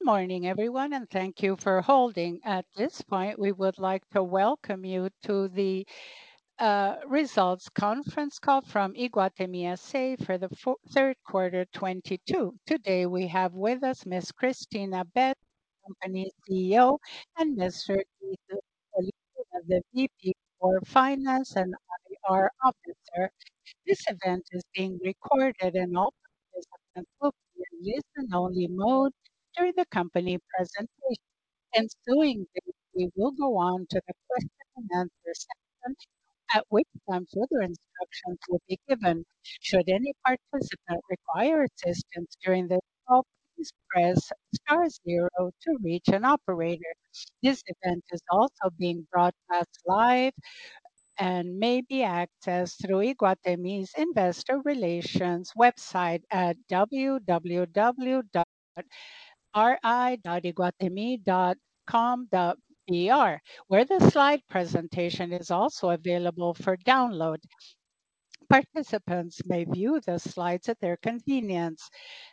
Good morning, everyone, and thank you for holding. At this point, we would like to welcome you to the results conference call from Iguatemi S.A. for the third quarter 2022. Today we have with us Ms. Cristina Betts, company CEO, and Mr. Guido Oliveira, the VP for Finance and IR Officer. This event is being recorded and all participants will be in listen-only mode during the company presentation. Ensuing this, we will go on to the question and answer session, at which time further instructions will be given. Should any participant require assistance during this call, please press star 0 to reach an operator. This event is also being broadcast live and may be accessed through Iguatemi's Investor Relations website at www.ri.iguatemi.com.br, where the slide presentation is also available for download. Participants may view the slides at their convenience.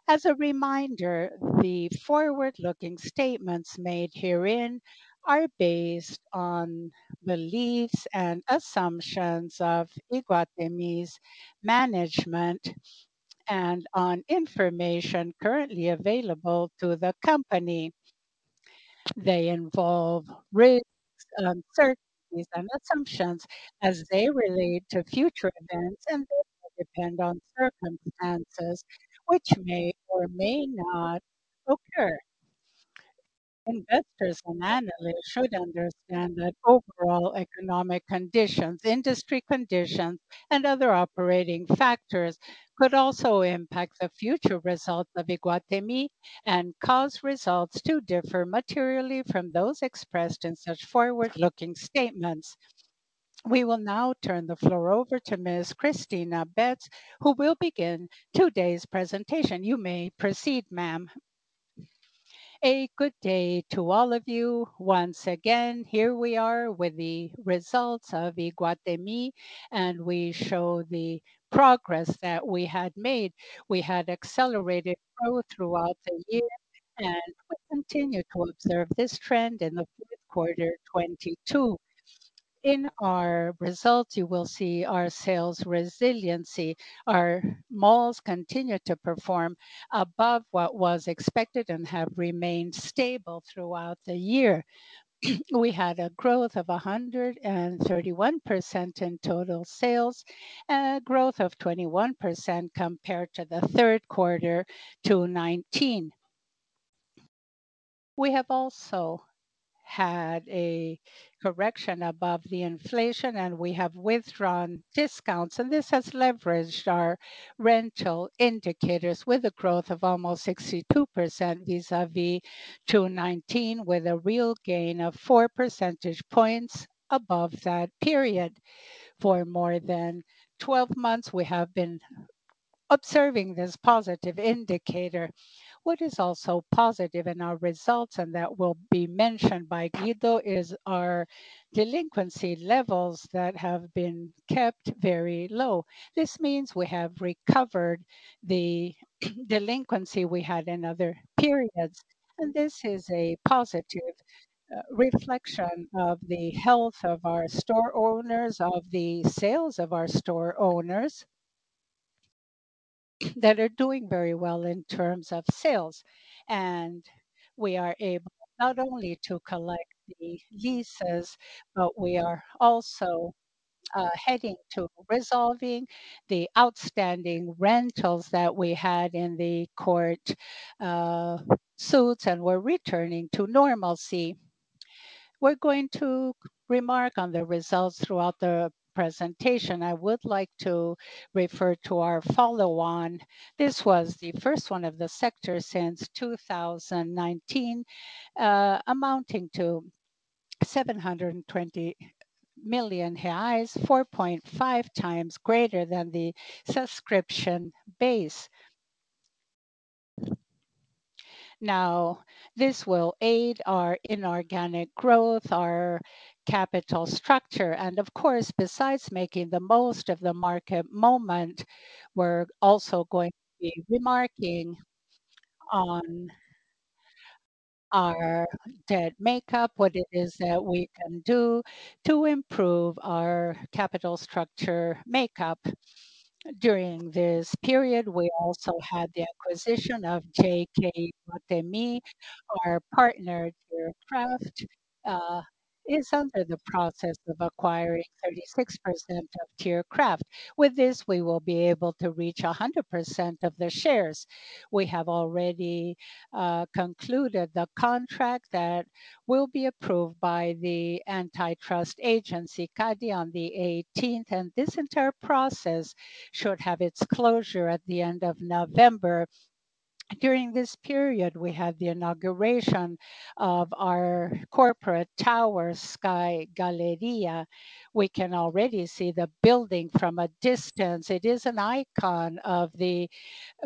As a reminder, the forward-looking statements made herein are based on beliefs and assumptions of Iguatemi's management and on information currently available to the company. They involve risks, uncertainties, and assumptions as they relate to future events, therefore depend on circumstances which may or may not occur. Investors and analysts should understand that overall economic conditions, industry conditions, and other operating factors could also impact the future results of Iguatemi and cause results to differ materially from those expressed in such forward-looking statements. We will now turn the floor over to Ms. Cristina Betts, who will begin today's presentation. You may proceed, ma'am. A good day to all of you. Once again, here we are with the results of Iguatemi. We show the progress that we had made. We had accelerated growth throughout the year. We continue to observe this trend in the third quarter 2022. In our results, you will see our sales resiliency. Our malls continue to perform above what was expected. Have remained stable throughout the year. We had a growth of 131% in total sales. A growth of 21% compared to the third quarter 2019. We have also had a correction above the inflation. We have withdrawn discounts. This has leveraged our rental indicators with a growth of almost 62% vis-à-vis 2019, with a real gain of four percentage points above that period. For more than 12 months, we have been observing this positive indicator. What is also positive in our results, that will be mentioned by Guido, is our delinquency levels that have been kept very low. This means we have recovered the delinquency we had in other periods. This is a positive reflection of the health of our store owners, of the sales of our store owners that are doing very well in terms of sales. We are able not only to collect the leases, but we are also heading to resolving the outstanding rentals that we had in the court suits. We are returning to normalcy. We are going to remark on the results throughout the presentation. I would like to refer to our follow-on. This was the first one of the sector since 2019, amounting to 720 million reais, 4.5 times greater than the subscription base. This will aid our inorganic growth, our capital structure, and of course, besides making the most of the market moment, we're also going to be remarking on our debt makeup, what it is that we can do to improve our capital structure makeup. During this period, we also had the acquisition of JK Iguatemi. Our partner, TIAA-CREF, is under the process of acquiring 36% of TIAA-CREF. With this, we will be able to reach 100% of the shares. We have already concluded the contract that will be approved by the antitrust agency, CADE, on the 18th. This entire process should have its closure at the end of November. During this period, we had the inauguration of our corporate tower, Sky Galleria. We can already see the building from a distance. It is an icon of the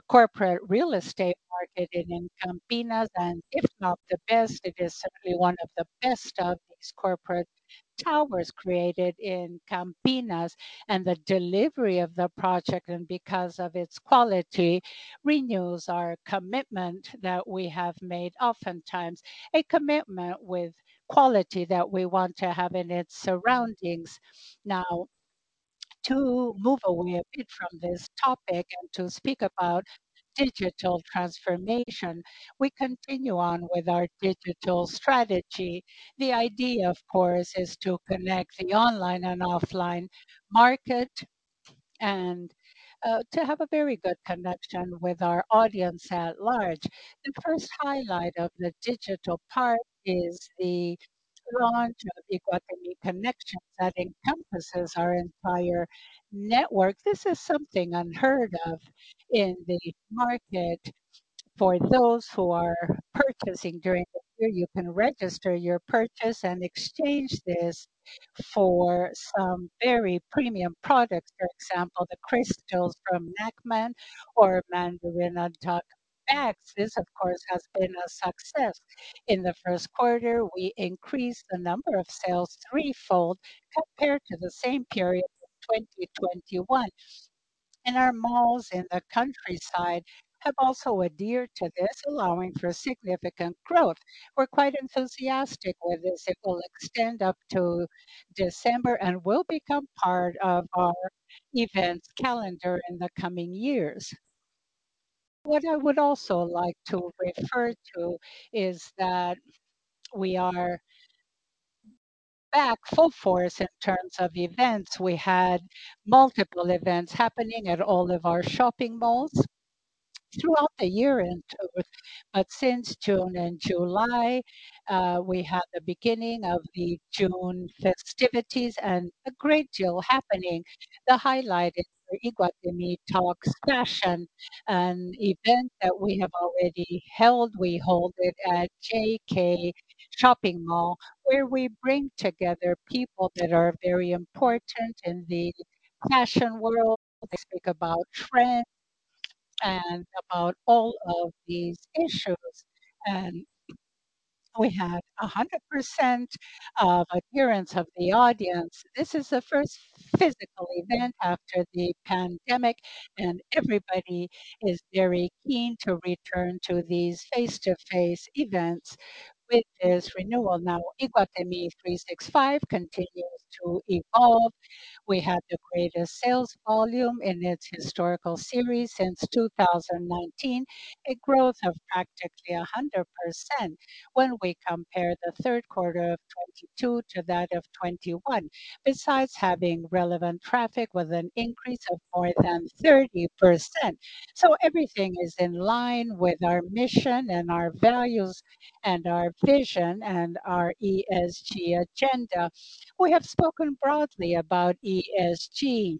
corporate real estate market in Campinas, and if not the best, it is certainly one of the best of these corporate towers created in Campinas. The delivery of the project, and because of its quality, renews our commitment that we have made oftentimes, a commitment with quality that we want to have in its surroundings. To move away a bit from this topic and to speak about digital transformation, we continue on with our digital strategy. The idea, of course, is to connect the online and offline market and to have a very good connection with our audience at large. The first highlight of the digital part is the launch of Iguatemi Collections that encompasses our entire network. This is something unheard of in the market. For those who are purchasing during the year, you can register your purchase and exchange this for some very premium products. For example, the crystals from Nachtmann or Mandarina Duck bags. This, of course, has been a success. In the first quarter, we increased the number of sales threefold compared to the same period in 2021. Our malls in the countryside have also adhered to this, allowing for significant growth. We're quite enthusiastic with this. It will extend up to December and will become part of our events calendar in the coming years. What I would also like to refer to is that we are back full force in terms of events. We had multiple events happening at all of our shopping malls throughout the year. Since June and July, we had the beginning of the June festivities and a great deal happening. The highlight is the Iguatemi Talks Fashion session, an event that we have already held. We hold it at JK Iguatemi, where we bring together people that are very important in the fashion world. They speak about trends and about all of these issues. We had 100% of appearance of the audience. This is the first physical event after the pandemic, and everybody is very keen to return to these face-to-face events. With this renewal now, Iguatemi 365 continues to evolve. We had the greatest sales volume in its historical series since 2019, a growth of practically 100% when we compare the third quarter of 2022 to that of 2021. Besides having relevant traffic with an increase of more than 30%. Everything is in line with our mission and our values and our vision and our ESG agenda. We have spoken broadly about ESG.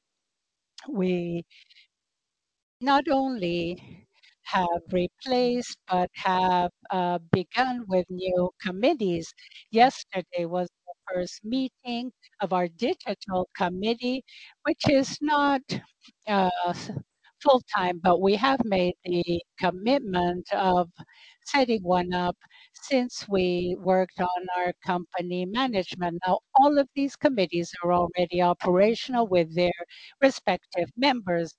We not only have replaced but have begun with new committees. Yesterday was the first meeting of our digital committee, which is not full-time, but we have made the commitment of setting one up since we worked on our company management. Now, all of these committees are already operational with their respective members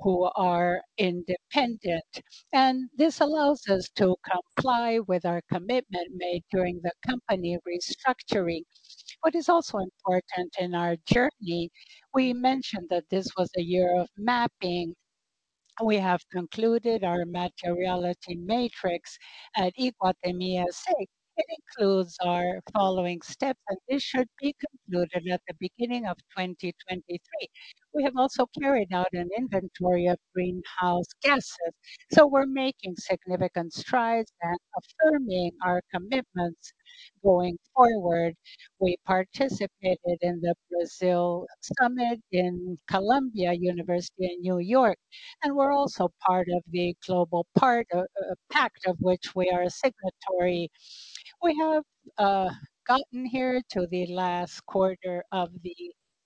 who are independent, and this allows us to comply with our commitment made during the company restructuring. What is also important in our journey, we mentioned that this was a year of mapping. We have concluded our materiality matrix at Iguatemi S.A. It includes our following steps, and this should be concluded at the beginning of 2023. We have also carried out an inventory of greenhouse gases. We're making significant strides and affirming our commitments going forward. We participated in the Brazil Summit in Columbia University in N.Y., and we're also part of the global pact, of which we are a signatory. We have gotten here to the last quarter of the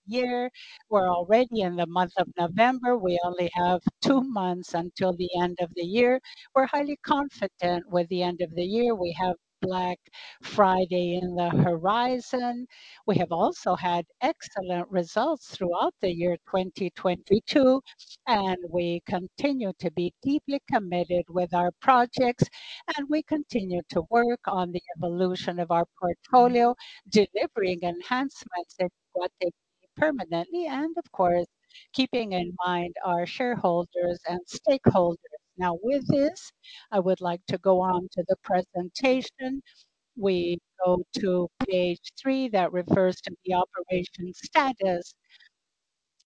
year. We're already in the month of November. We only have two months until the end of the year. We're highly confident with the end of the year. We have Black Friday in the horizon. We have also had excellent results throughout the year 2022, and we continue to be deeply committed with our projects, and we continue to work on the evolution of our portfolio, delivering enhancements at Iguatemi permanently, and of course, keeping in mind our shareholders and stakeholders. Now with this, I would like to go on to the presentation. We go to page three that refers to the operation status.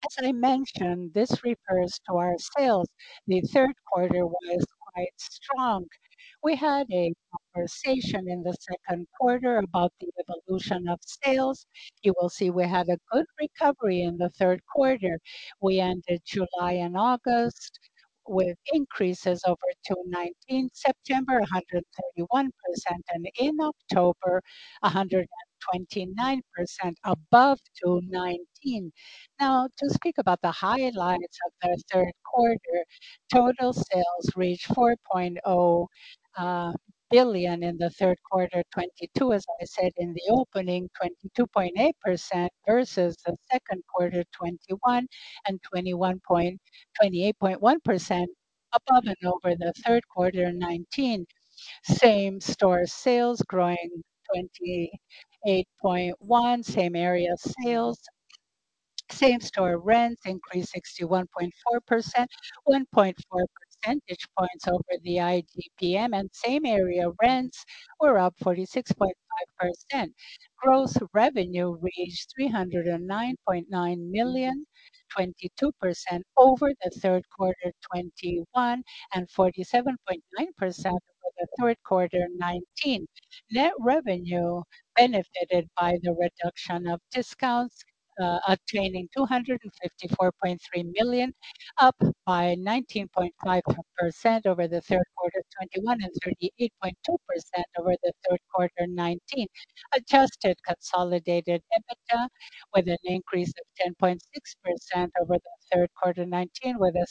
As I mentioned, this refers to our sales. The third quarter was quite strong. We had a conversation in the second quarter about the evolution of sales. You will see we had a good recovery in the third quarter. We ended July and August with increases over 2019. September, 131%, and in October, 129% above 2019. Now, to speak about the highlights of the third quarter, total sales reached 4.0 billion in the third quarter of 2022. As I said in the opening, 22.8% versus the second quarter 2021 and 28.1% above the third quarter 2019. Same-store sales growing 28.1%, same area sales. Same-store rents increased 61.4%, 1.4 percentage points over the IGPM, and same area rents were up 46.5%. Gross revenue reached 309.9 million, 22% over the third quarter 2021, and 47.9% over the third quarter 2019. Net revenue benefited by the reduction of discounts, attaining 254.3 million, up by 19.5% over the third quarter 2021, and 38.2% over the third quarter 2019. Adjusted consolidated EBITDA with an increase of 10.6% over the third quarter 2019, with a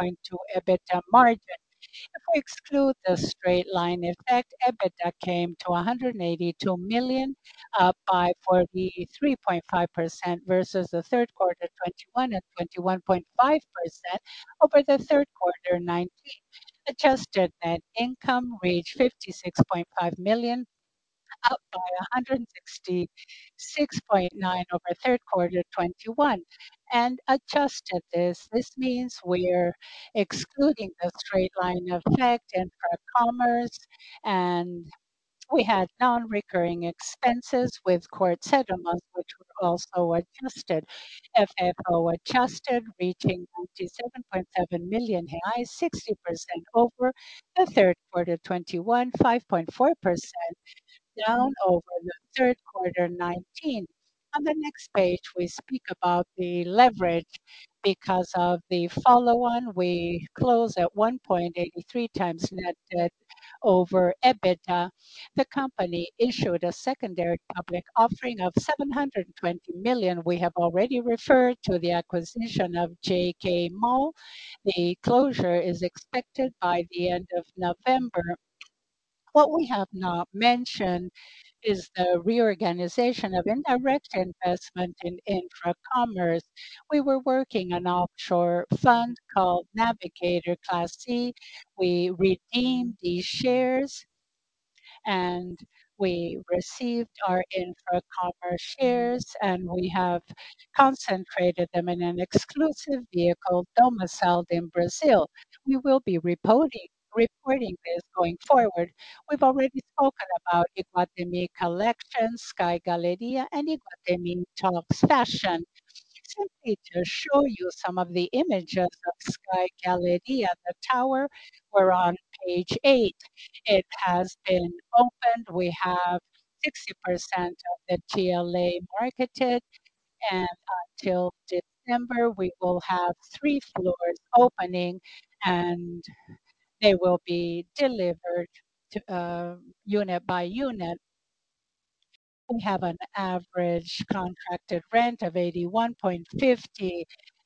65.2% EBITDA margin. If we exclude the straight line effect, EBITDA came to 182 million, up by 43.5% versus the third quarter 2021, and 21.5% over the third quarter 2019. Adjusted net income reached 56.5 million, up by 166.9% over third quarter 2021. Adjusted this, we're excluding the straight-line effect, Infracommerce, and we had non-recurring expenses with Corteva, which were also adjusted. FFO adjusted reaching 97.7 million reais, 60% over the third quarter 2021, 5.4% down over the third quarter 2019. On the next page, we speak about the leverage. Because of the follow-on, we close at 1.83 times net debt over EBITDA. The company issued a secondary public offering of 720 million. We have already referred to the acquisition of JK Iguatemi. The closure is expected by the end of November. What we have not mentioned is the reorganization of indirect investment in Infracommerce. We were working an offshore fund called Navigator Class C. We redeemed these shares, and we received our Infracommerce shares, and we have concentrated them in an exclusive vehicle domiciled in Brazil. We will be reporting this going forward. We've already spoken about Iguatemi Collections, Sky Galleria, and Iguatemi Talks Fashion. Simply to show you some of the images of Sky Galleria, the tower, we're on page eight. It has been opened. We have 60% of the GLA marketed, and until December, we will have three floors opening, and they will be delivered unit by unit. We have an average contracted rent of 81.50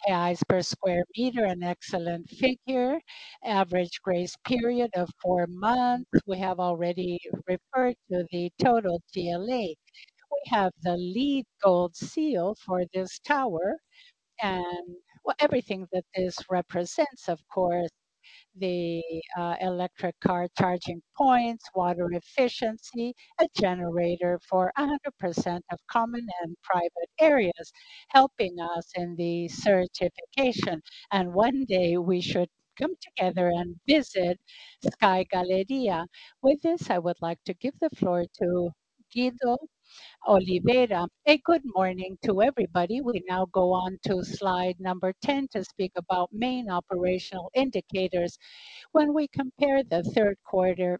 reais per sq m, an excellent figure. Average grace period of four months. We have already referred to the total GLA. We have the LEED Gold seal for this tower and, well, everything that this represents, of course. The electric car charging points, water efficiency, a generator for 100% of common and private areas, helping us in the certification. One day we should come together and visit Sky Galleria. With this, I would like to give the floor to Guido Oliveira. A good morning to everybody. We now go on to slide number 10 to speak about main operational indicators. When we compare the third quarter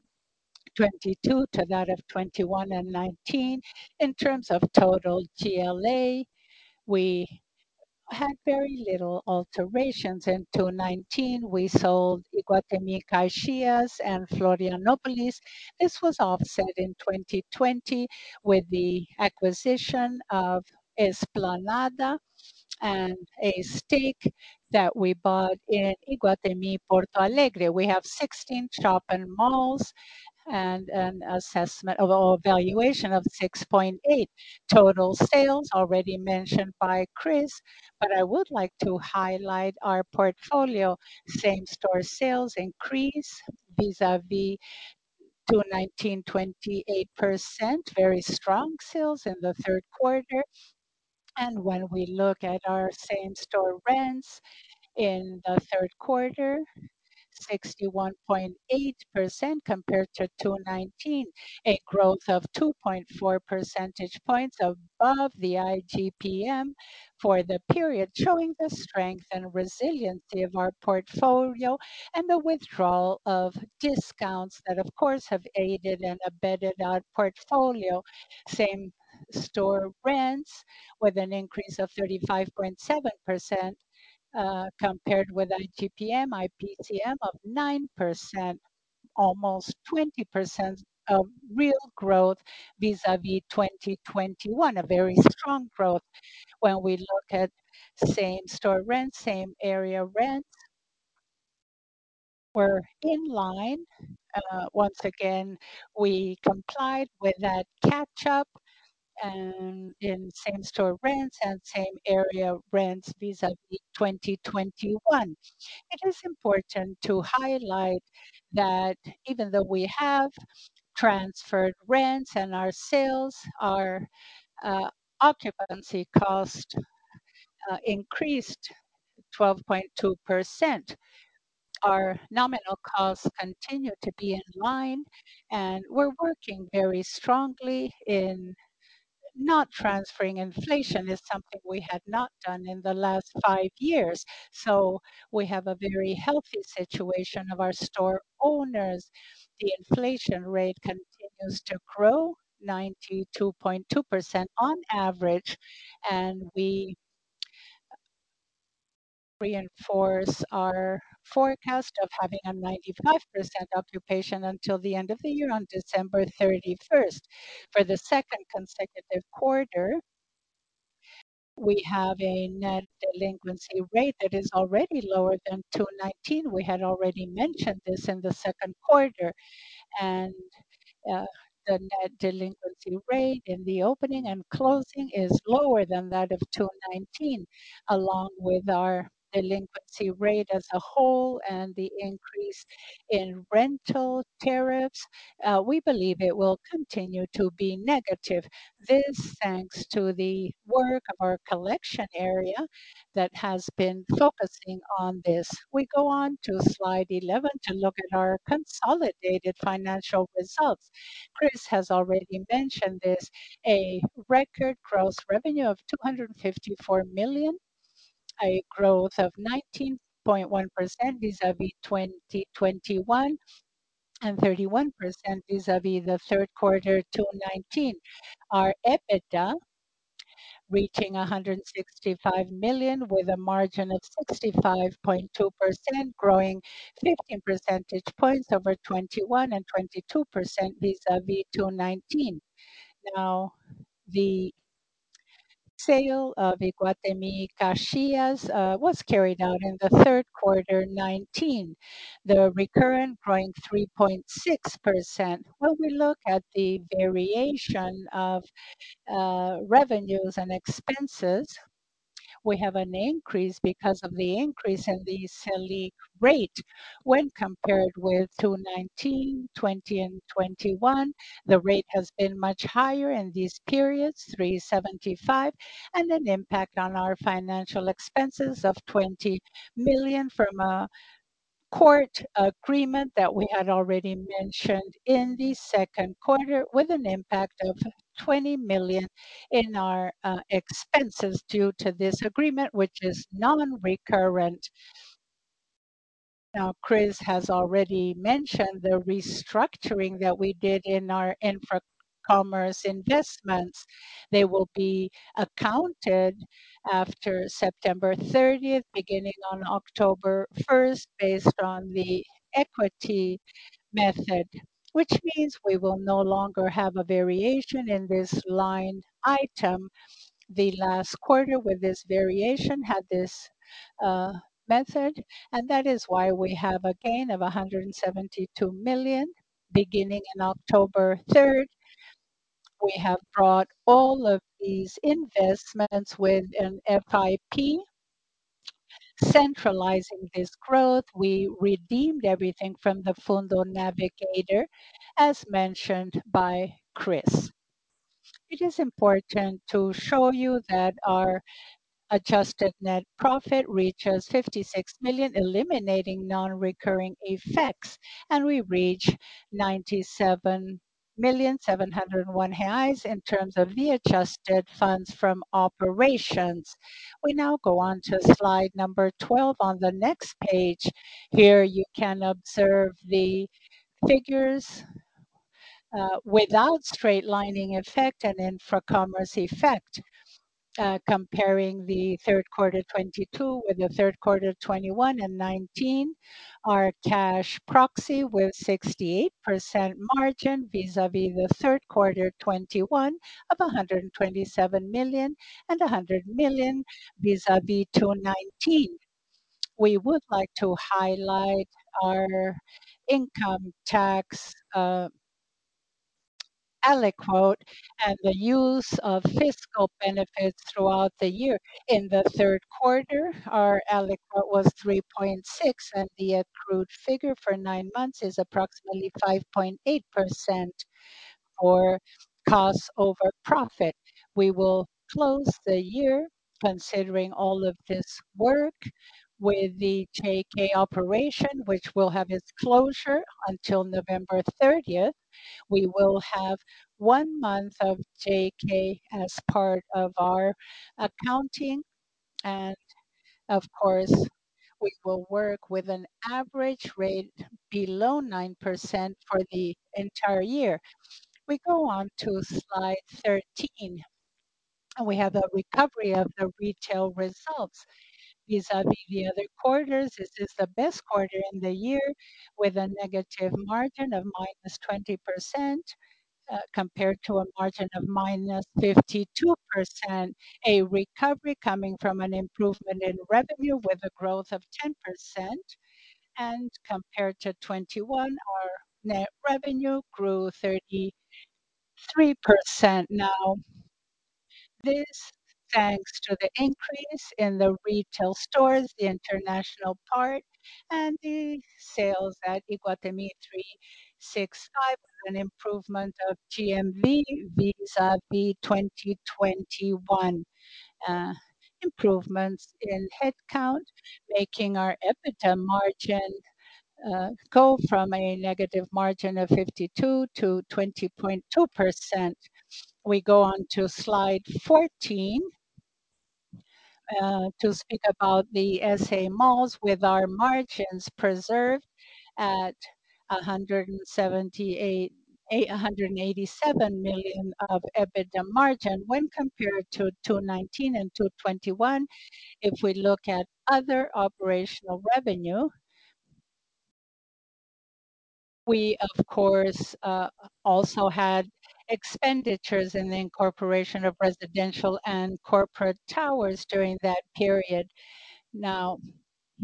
2022 to that of 2021 and 2019, in terms of total GLA, we had very little alterations. In 2019, we sold Iguatemi Caxias and Florianopolis. This was offset in 2020 with the acquisition of Esplanada and a stake that we bought in Iguatemi Porto Alegre. We have 16 shop-and-malls and an assessment or valuation of 6.8. Total sales already mentioned by Cristina, but I would like to highlight our portfolio. Same-store sales increase vis-à-vis 2019, 28%, very strong sales in the third quarter. When we look at our same-store rents in the third quarter, 61.8% compared to 2019. A growth of 2.4 percentage points above the IGPM for the period, showing the strength and resiliency of our portfolio and the withdrawal of discounts that, of course, have aided and abetted our portfolio. Same-store rents with an increase of 35.7%, compared with IGPM, IPCA of 9%, almost 20% of real growth vis-à-vis 2021. A very strong growth when we look at same-store rent, same area rent. We're in line. Once again, we complied with that catch-up in same-store rents and same area rents vis-à-vis 2021. It is important to highlight that even though we have transferred rents and our sales, our occupancy cost increased 12.2%. Our nominal costs continue to be in line, we're working very strongly in not transferring inflation. It's something we had not done in the last five years. We have a very healthy situation of our store owners. The inflation rate continues to grow 92.2% on average, we reinforce our forecast of having a 95% occupation until the end of the year on December 31st. For the second consecutive quarter, we have a net delinquency rate that is already lower than 2019. We had already mentioned this in the second quarter, the net delinquency rate in the opening and closing is lower than that of 2019, along with our delinquency rate as a whole and the increase in rental tariffs. We believe it will continue to be negative. This, thanks to the work of our collection area that has been focusing on this. We go on to slide 11 to look at our consolidated financial results. Chris has already mentioned this, a record gross revenue of 254 million, a growth of 19.1% vis-à-vis 2021, and 31% vis-à-vis the third quarter 2019. Our EBITDA reaching 165 million with a margin of 65.2%, growing 15 percentage points over 2021 and 22% vis-à-vis 2019. The sale of Iguatemi Caxias was carried out in the third quarter 2019, the recurrent growing 3.6%. We look at the variation of revenues and expenses, we have an increase because of the increase in the Selic rate when compared with 2019, 2020, and 2021. The rate has been much higher in these periods, 375, and an impact on our financial expenses of 20 million from a court agreement that we had already mentioned in the second quarter with an impact of 20 million in our expenses due to this agreement, which is non-recurrent. Chris has already mentioned the restructuring that we did in our Infracommerce investments. They will be accounted after September 30, beginning on October 1, based on the equity method, which means we will no longer have a variation in this line item. The last quarter with this variation had this method, and that is why we have a gain of 172 million beginning in October 3. We have brought all of these investments with an FIP, centralizing this growth. We redeemed everything from the Fundo Navigator, as mentioned by Chris. It is important to show you that our adjusted net profit reaches 56 million, eliminating non-recurring effects, and we reach 97,000,701 in terms of the adjusted funds from operations. We now go on to slide 12 on the next page. You can observe the figures without straight-lining effect and Infracommerce effect, comparing the third quarter 2022 with the third quarter of 2021 and 2019. Our cash proxy with 68% margin vis-à-vis the third quarter 2021 of 127 million and 100 million vis-à-vis 2019. We would like to highlight our income tax alíquota and the use of fiscal benefits throughout the year. In the third quarter, our alíquota was 3.6%, and the accrued figure for nine months is approximately 5.8% for costs over profit. We will close the year considering all of this work with the JK operation, which will have its closure until November 30. We will have one month of JK as part of our accounting. Of course, we will work with an average rate below 9% for the entire year. We go on to slide 13, we have a recovery of the retail results vis-à-vis the other quarters. This is the best quarter in the year with a negative margin of -20%, compared to a margin of -52%, a recovery coming from an improvement in revenue with a growth of 10%, and compared to 2021, our net revenue grew 33% now. This, thanks to the increase in the retail stores, the international part, and the sales at Iguatemi 365, an improvement of GMV vis-a-vis 2021. Improvements in head count, making our EBITDA margin go from a negative margin of 52 to 20.2%. We go on to slide 14 to speak about the S.A. malls with our margins preserved at 187 million of EBITDA margin when compared to 2019 and 2021. We, of course, also had expenditures in the incorporation of residential and corporate towers during that period.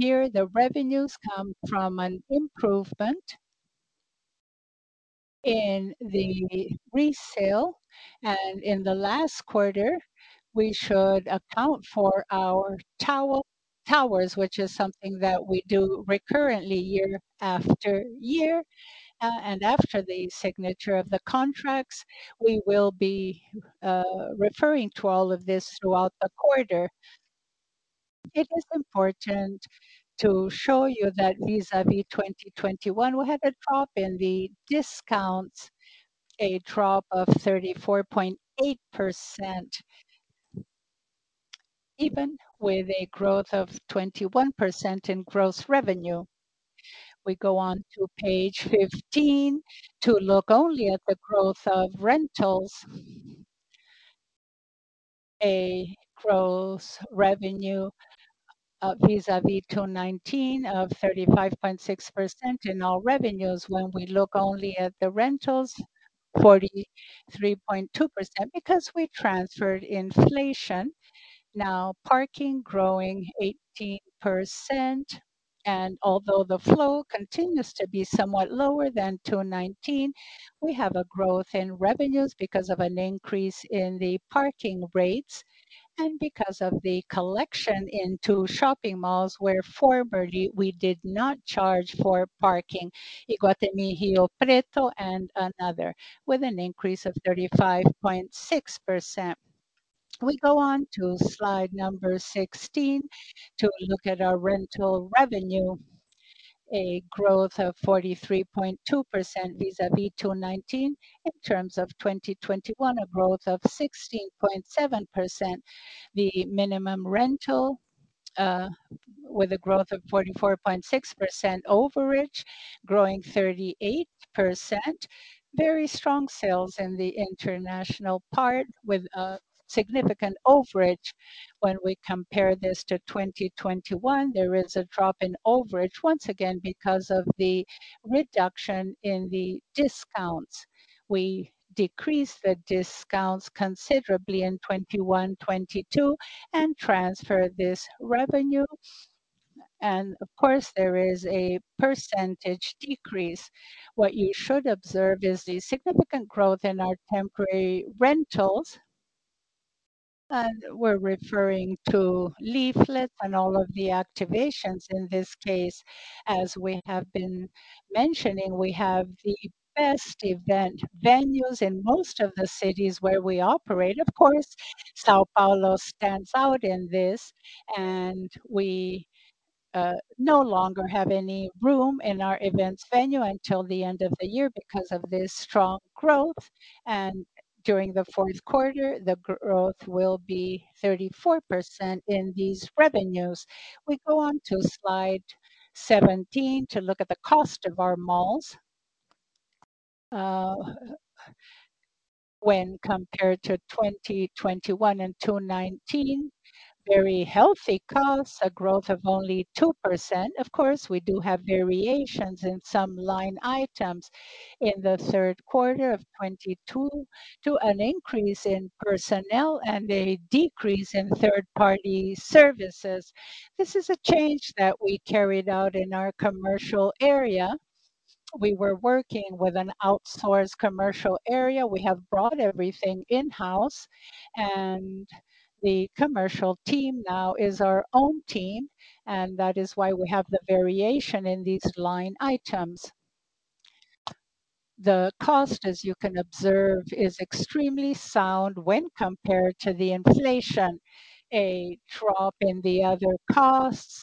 Here, the revenues come from an improvement in the resale, and in the last quarter, we should account for our towers, which is something that we do recurrently year after year. After the signature of the contracts, we will be referring to all of this throughout the quarter. It is important to show you that vis-a-vis 2021, we have a drop in the discounts, a drop of 34.8%. Even with a growth of 21% in gross revenue. We go on to page 15 to look only at the growth of rentals. A gross revenue of vis-a-vis 2019 of 35.6% in all revenues. When we look only at the rentals, 43.2%, because we transferred inflation. Parking growing 18%, and although the flow continues to be somewhat lower than 2019, we have a growth in revenues because of an increase in the parking rates and because of the collection in two shopping malls where formerly we did not charge for parking, Iguatemi Rio Preto and another, with an increase of 35.6%. We go on to slide number 16 to look at our rental revenue. A growth of 43.2% vis-a-vis 2019. In terms of 2021, a growth of 16.7%. The minimum rental, with a growth of 44.6%, overage growing 38%. Very strong sales in the international part with a significant overage. When we compare this to 2021, there is a drop in overage, once again because of the reduction in the discounts. We decreased the discounts considerably in 2021/2022 and transferred this revenue. Of course, there is a percentage decrease. What you should observe is the significant growth in our temporary rentals, and we're referring to leaflets and all of the activations in this case. As we have been mentioning, we have the best event venues in most of the cities where we operate. Of course, São Paulo stands out in this, and we no longer have any room in our events venue until the end of the year because of this strong growth. During the fourth quarter, the growth will be 34% in these revenues. We go on to slide 17 to look at the cost of our malls. When compared to 2021 and 2019, very healthy costs, a growth of only 2%. Of course, we do have variations in some line items in the third quarter of 2022 to an increase in personnel and a decrease in third-party services. This is a change that we carried out in our commercial area. We were working with an outsourced commercial area. We have brought everything in-house, and the commercial team now is our own team, and that is why we have the variation in these line items. The cost, as you can observe, is extremely sound when compared to the inflation. A drop in the other costs.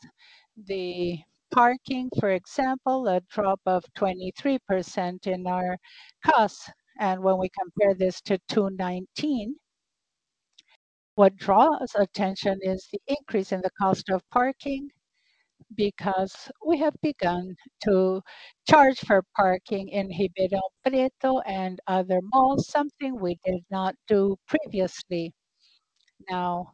The parking, for example, a drop of 23% in our costs. When we compare this to 2019, what draws attention is the increase in the cost of parking because we have begun to charge for parking in Ribeirão Preto and other malls, something we did not do previously. Now,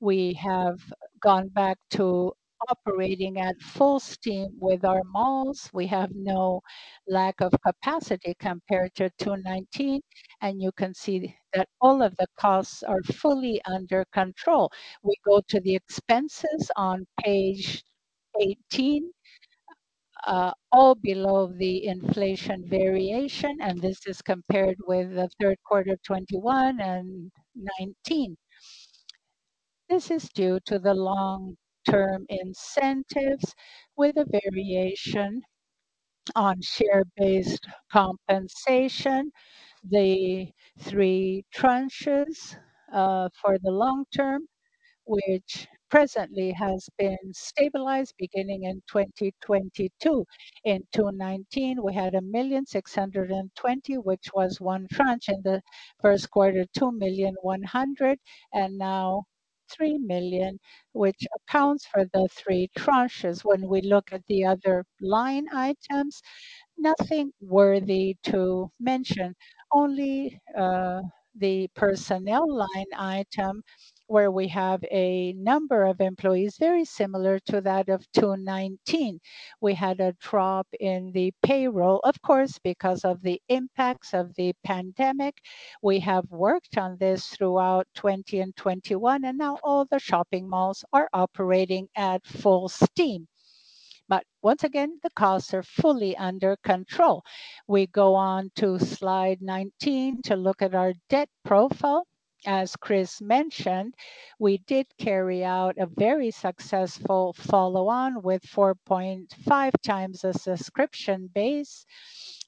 we have gone back to operating at full steam with our malls. We have no lack of capacity compared to 2019, and you can see that all of the costs are fully under control. We go to the expenses on page eighteen. All below the inflation variation, and this is compared with the third quarter of 2021 and 2019. This is due to the long-term incentives with a variation on share-based compensation. The three tranches for the long term, which presently has been stabilized beginning in 2022. In 2019, we had 1,000,620, which was one tranche. In the first quarter, 2,000,100, and now 3 million, which accounts for the three tranches. When we look at the other line items, nothing worthy to mention. Only the personnel line item where we have a number of employees very similar to that of 2019. We had a drop in the payroll, of course, because of the impacts of the pandemic. We have worked on this throughout 2020 and 2021, and now all the shopping malls are operating at full steam. But once again, the costs are fully under control. We go on to slide nineteen to look at our debt profile. As Chris mentioned, we did carry out a very successful follow-on with 4.5 times the subscription base.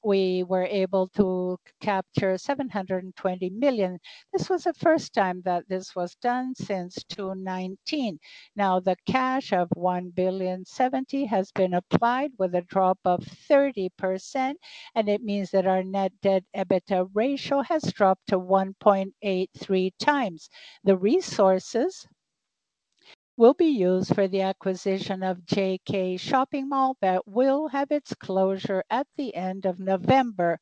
We were able to capture 720 million. This was the first time that this was done since 2019. The cash of 1 billion 70 has been applied with a drop of 30%, and it means that our net debt-EBITDA ratio has dropped to 1.83x. The resources will be used for the acquisition of JK Iguatemi that will have its closure at the end of November.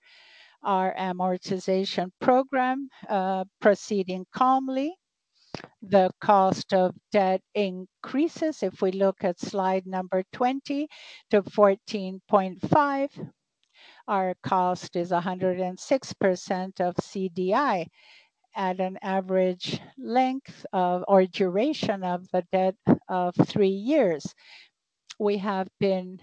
Our amortization program proceeding calmly. The cost of debt increases. If we look at slide number twenty, to 14.5%. Our cost is 106% of CDI at an average length of or duration of the debt of three years. We have been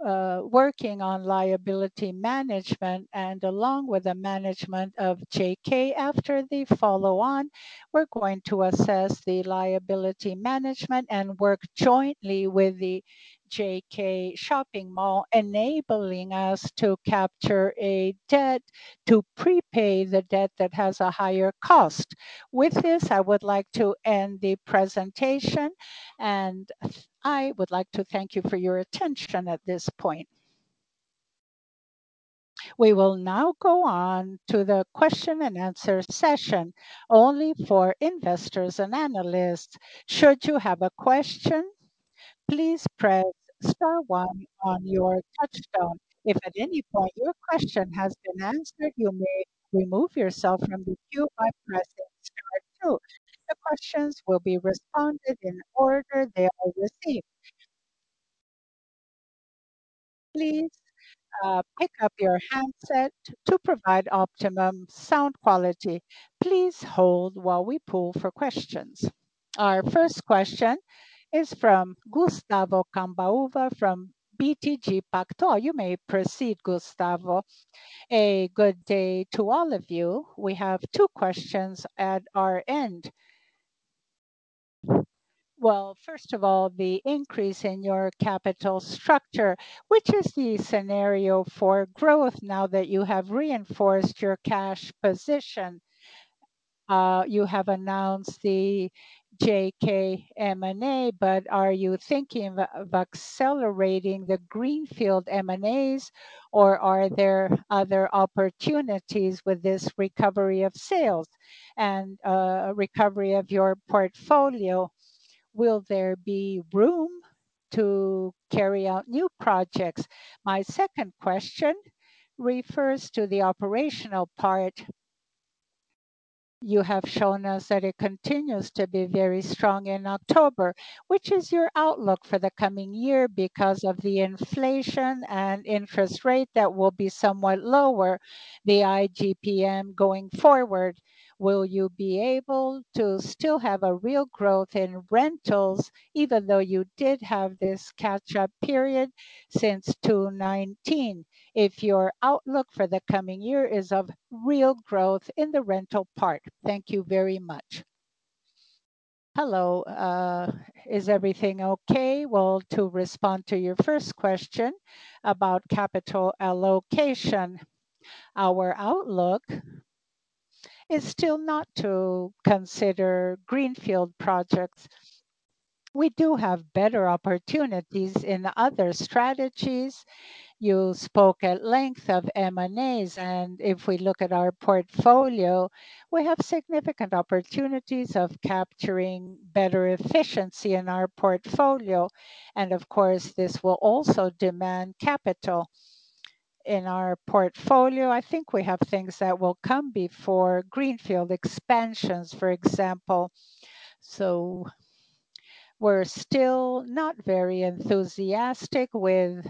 working on liability management and along with the management of JK after the follow-on, we are going to assess the liability management and work jointly with the JK Iguatemi, enabling us to capture a debt to prepay the debt that has a higher cost. I would like to end the presentation, and I would like to thank you for your attention at this point. We will now go on to the question and answer session only for investors and analysts. Should you have a question, please press star one on your touchtone. If at any point your question has been answered, you may remove yourself from the queue by pressing star two. The questions will be responded in the order they are received. Please pick up your handset to provide optimum sound quality. Please hold while we poll for questions. Our first question is from Gustavo Cambauva from BTG Pactual. You may proceed, Gustavo. Good day to all of you. We have two questions at our end. Well, first of all, the increase in your capital structure, which is the scenario for growth now that you have reinforced your cash position? Are you thinking of accelerating the greenfield M&As, or are there other opportunities with this recovery of sales and recovery of your portfolio? Will there be room to carry out new projects? My second question refers to the operational part. You have shown us that it continues to be very strong in October. Which is your outlook for the coming year because of the inflation and interest rate that will be somewhat lower, the IGPM going forward? Will you be able to still have a real growth in rentals even though you did have this catch-up period since 2019? If your outlook for the coming year is of real growth in the rental part. Thank you very much. Hello. Is everything okay? Well, to respond to your first question about capital allocation, our outlook is still not to consider greenfield projects. We do have better opportunities in other strategies. You spoke at length of M&As, if we look at our portfolio, we have significant opportunities of capturing better efficiency in our portfolio. Of course, this will also demand capital in our portfolio. I think we have things that will come before greenfield expansions, for example. We're still not very enthusiastic with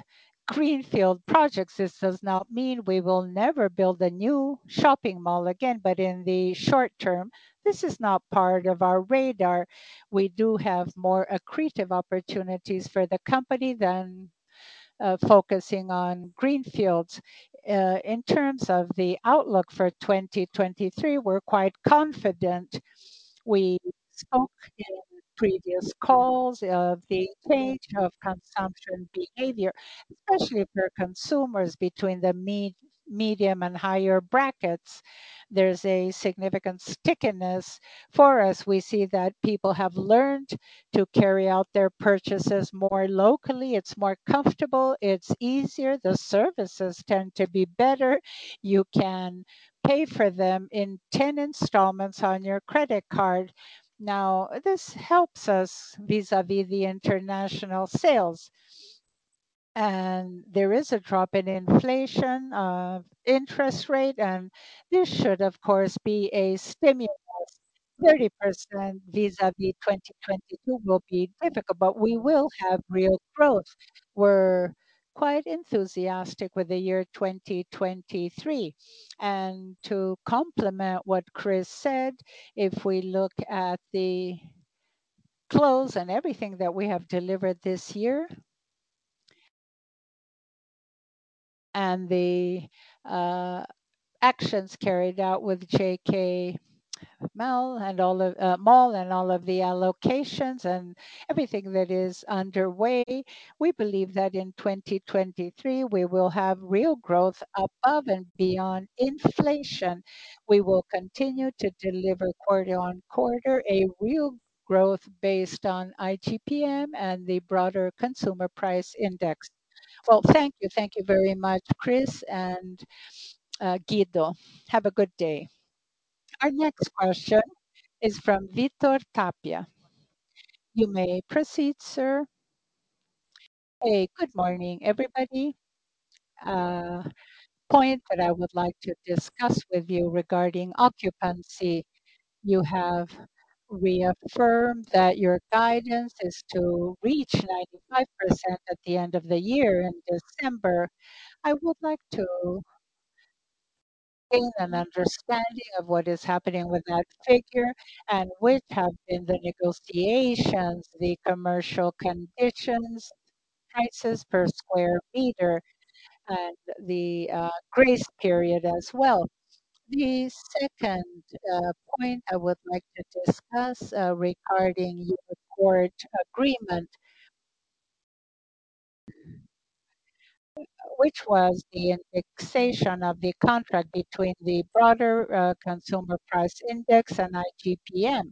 greenfield projects. This does not mean we will never build a new shopping mall again, in the short term, this is not part of our radar. We do have more accretive opportunities for the company than focusing on greenfields. In terms of the outlook for 2023, we're quite confident. We spoke in previous calls of the change of consumption behavior, especially for consumers between the medium and higher brackets. There's a significant stickiness for us. We see that people have learned to carry out their purchases more locally. It's more comfortable, it's easier, the services tend to be better. You can pay for them in 10 installments on your credit card. Now, this helps us vis-à-vis the international sales. There is a drop in inflation of interest rate, and this should, of course, be a stimulus. 30% vis-à-vis 2022 will be difficult, we will have real growth. We're quite enthusiastic with the year 2023. To complement what Chris said, if we look at the close and everything that we have delivered this year, and the actions carried out with JK Mall and all of the allocations and everything that is underway, we believe that in 2023, we will have real growth above and beyond inflation. We will continue to deliver quarter-on-quarter, a real growth based on IPCA and the broader consumer price index. Well, thank you. Thank you very much, Chris and Guido. Have a good day. Our next question is from Vitor Tapia. You may proceed, sir. Hey. Good morning, everybody. A point that I would like to discuss with you regarding occupancy. You have reaffirmed that your guidance is to reach 95% at the end of the year in December. I would like to gain an understanding of what is happening with that figure and what have been the negotiations, the commercial conditions, prices per square meter, and the grace period as well. The second point I would like to discuss regarding your court agreement, which was the indexation of the contract between the broader consumer price index and IPCA.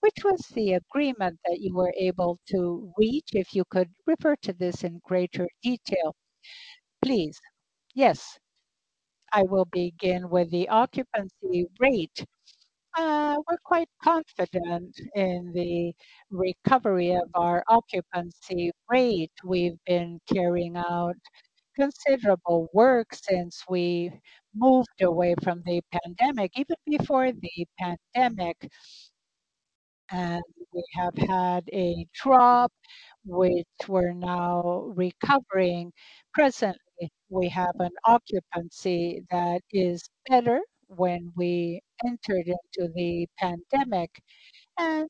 Which was the agreement that you were able to reach? If you could refer to this in greater detail, please. Yes. I will begin with the occupancy rate. We are quite confident in the recovery of our occupancy rate. We have been carrying out considerable work since we moved away from the pandemic, even before the pandemic, and we have had a drop, which we are now recovering. Presently, we have an occupancy that is better when we entered into the pandemic, and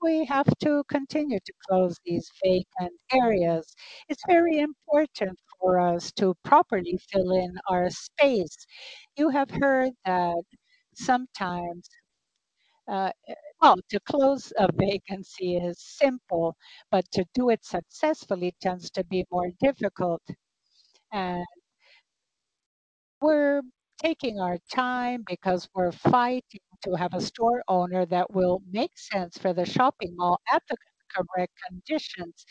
we have to continue to close these vacant areas. It is very important for us to properly fill in our space. You have heard that to close a vacancy is simple, but to do it successfully tends to be more difficult. And we are taking our time because we are fighting to have a store owner that will make sense for the shopping mall at the correct conditions.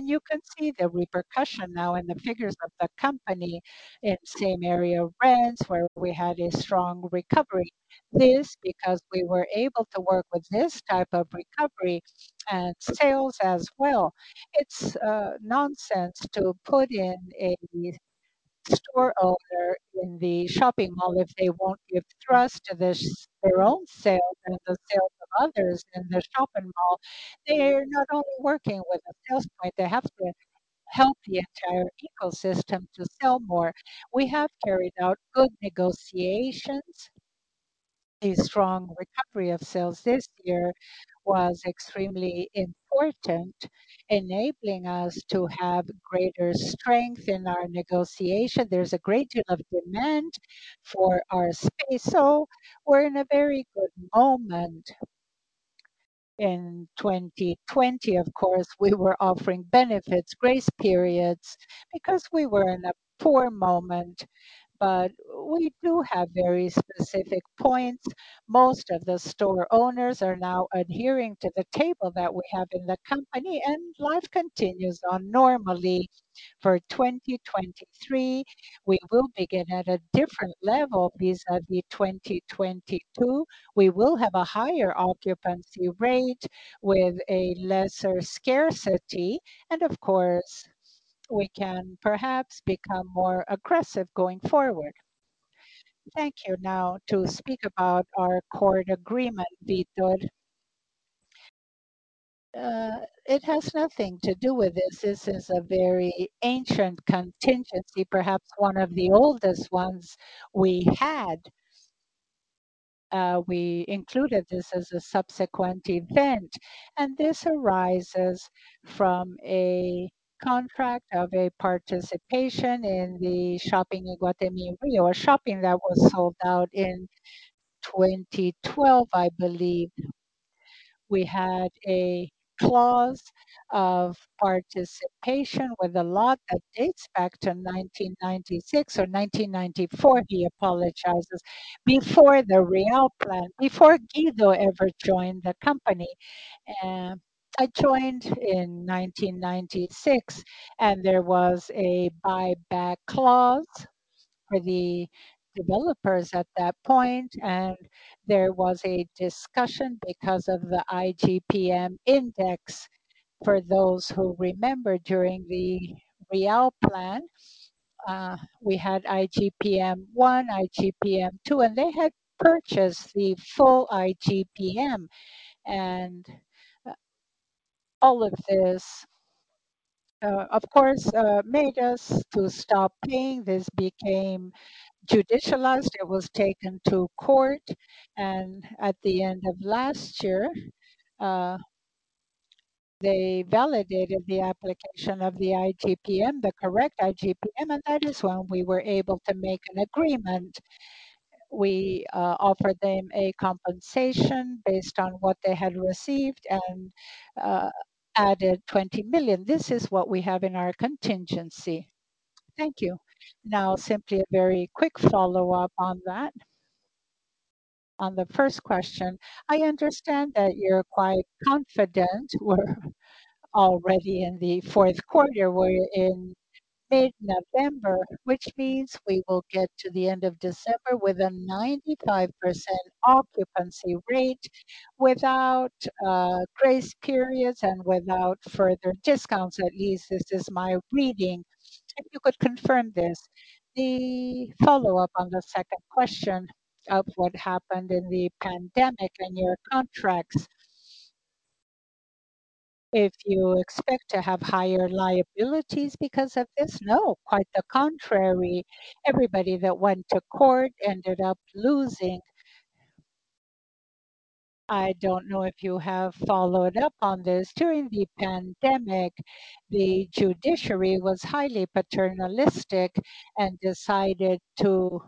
You can see the repercussion now in the figures of the company in same area rents where we had a strong recovery. This because we were able to work with this type of recovery and sales as well. It is nonsense to put in a store owner in the shopping mall if they won't give trust to their own sales and the sales of others in the shopping mall. They are not only working with a sales point, they have to help the entire ecosystem to sell more. We have carried out good negotiations. A strong recovery of sales this year was extremely important, enabling us to have greater strength in our negotiation. There is a great deal of demand for our space, so we are in a very good moment. In 2020, of course, we were offering benefits, grace periods, because we were in a poor moment, but we do have very specific points. Most of the store owners are now adhering to the table that we have in the company, and life continues on normally. For 2023, we will begin at a different level vis-à-vis 2022. We will have a higher occupancy rate with a lesser scarcity, and of course, we can perhaps become more aggressive going forward. Thank you. Now, to speak about our court agreement, Vitor. It has nothing to do with this. This is a very ancient contingency, perhaps one of the oldest ones we had. We included this as a subsequent event, this arises from a contract of a participation in the Shopping Iguatemi Rio, a shopping that was sold out in 2012, I believe. We had a clause of participation with a lot that dates back to 1996 or 1994, he apologizes, before the Real Plan, before Guido ever joined the company. I joined in 1996, there was a buyback clause for the developers at that point, there was a discussion because of the IGPM index. For those who remember, during the Real Plan, we had IGPM one, IGPM two, and they had purchased the full IGPM. All of this, of course, made us to stop paying. This became judicialized. It was taken to court, at the end of last year, they validated the application of the IGPM, the correct IGPM, that is when we were able to make an agreement. We offered them a compensation based on what they had received and added 20 million. This is what we have in our contingency. Thank you. Simply a very quick follow-up on that. On the first question, I understand that you're quite confident. We're already in the fourth quarter. We're in mid-November, which means we will get to the end of December with a 95% occupancy rate without grace periods and without further discounts. At least this is my reading. If you could confirm this. The follow-up on the second question of what happened in the pandemic and your contracts, if you expect to have higher liabilities because of this? No, quite the contrary. Everybody that went to court ended up losing. I don't know if you have followed up on this. During the pandemic, the judiciary was highly paternalistic and decided to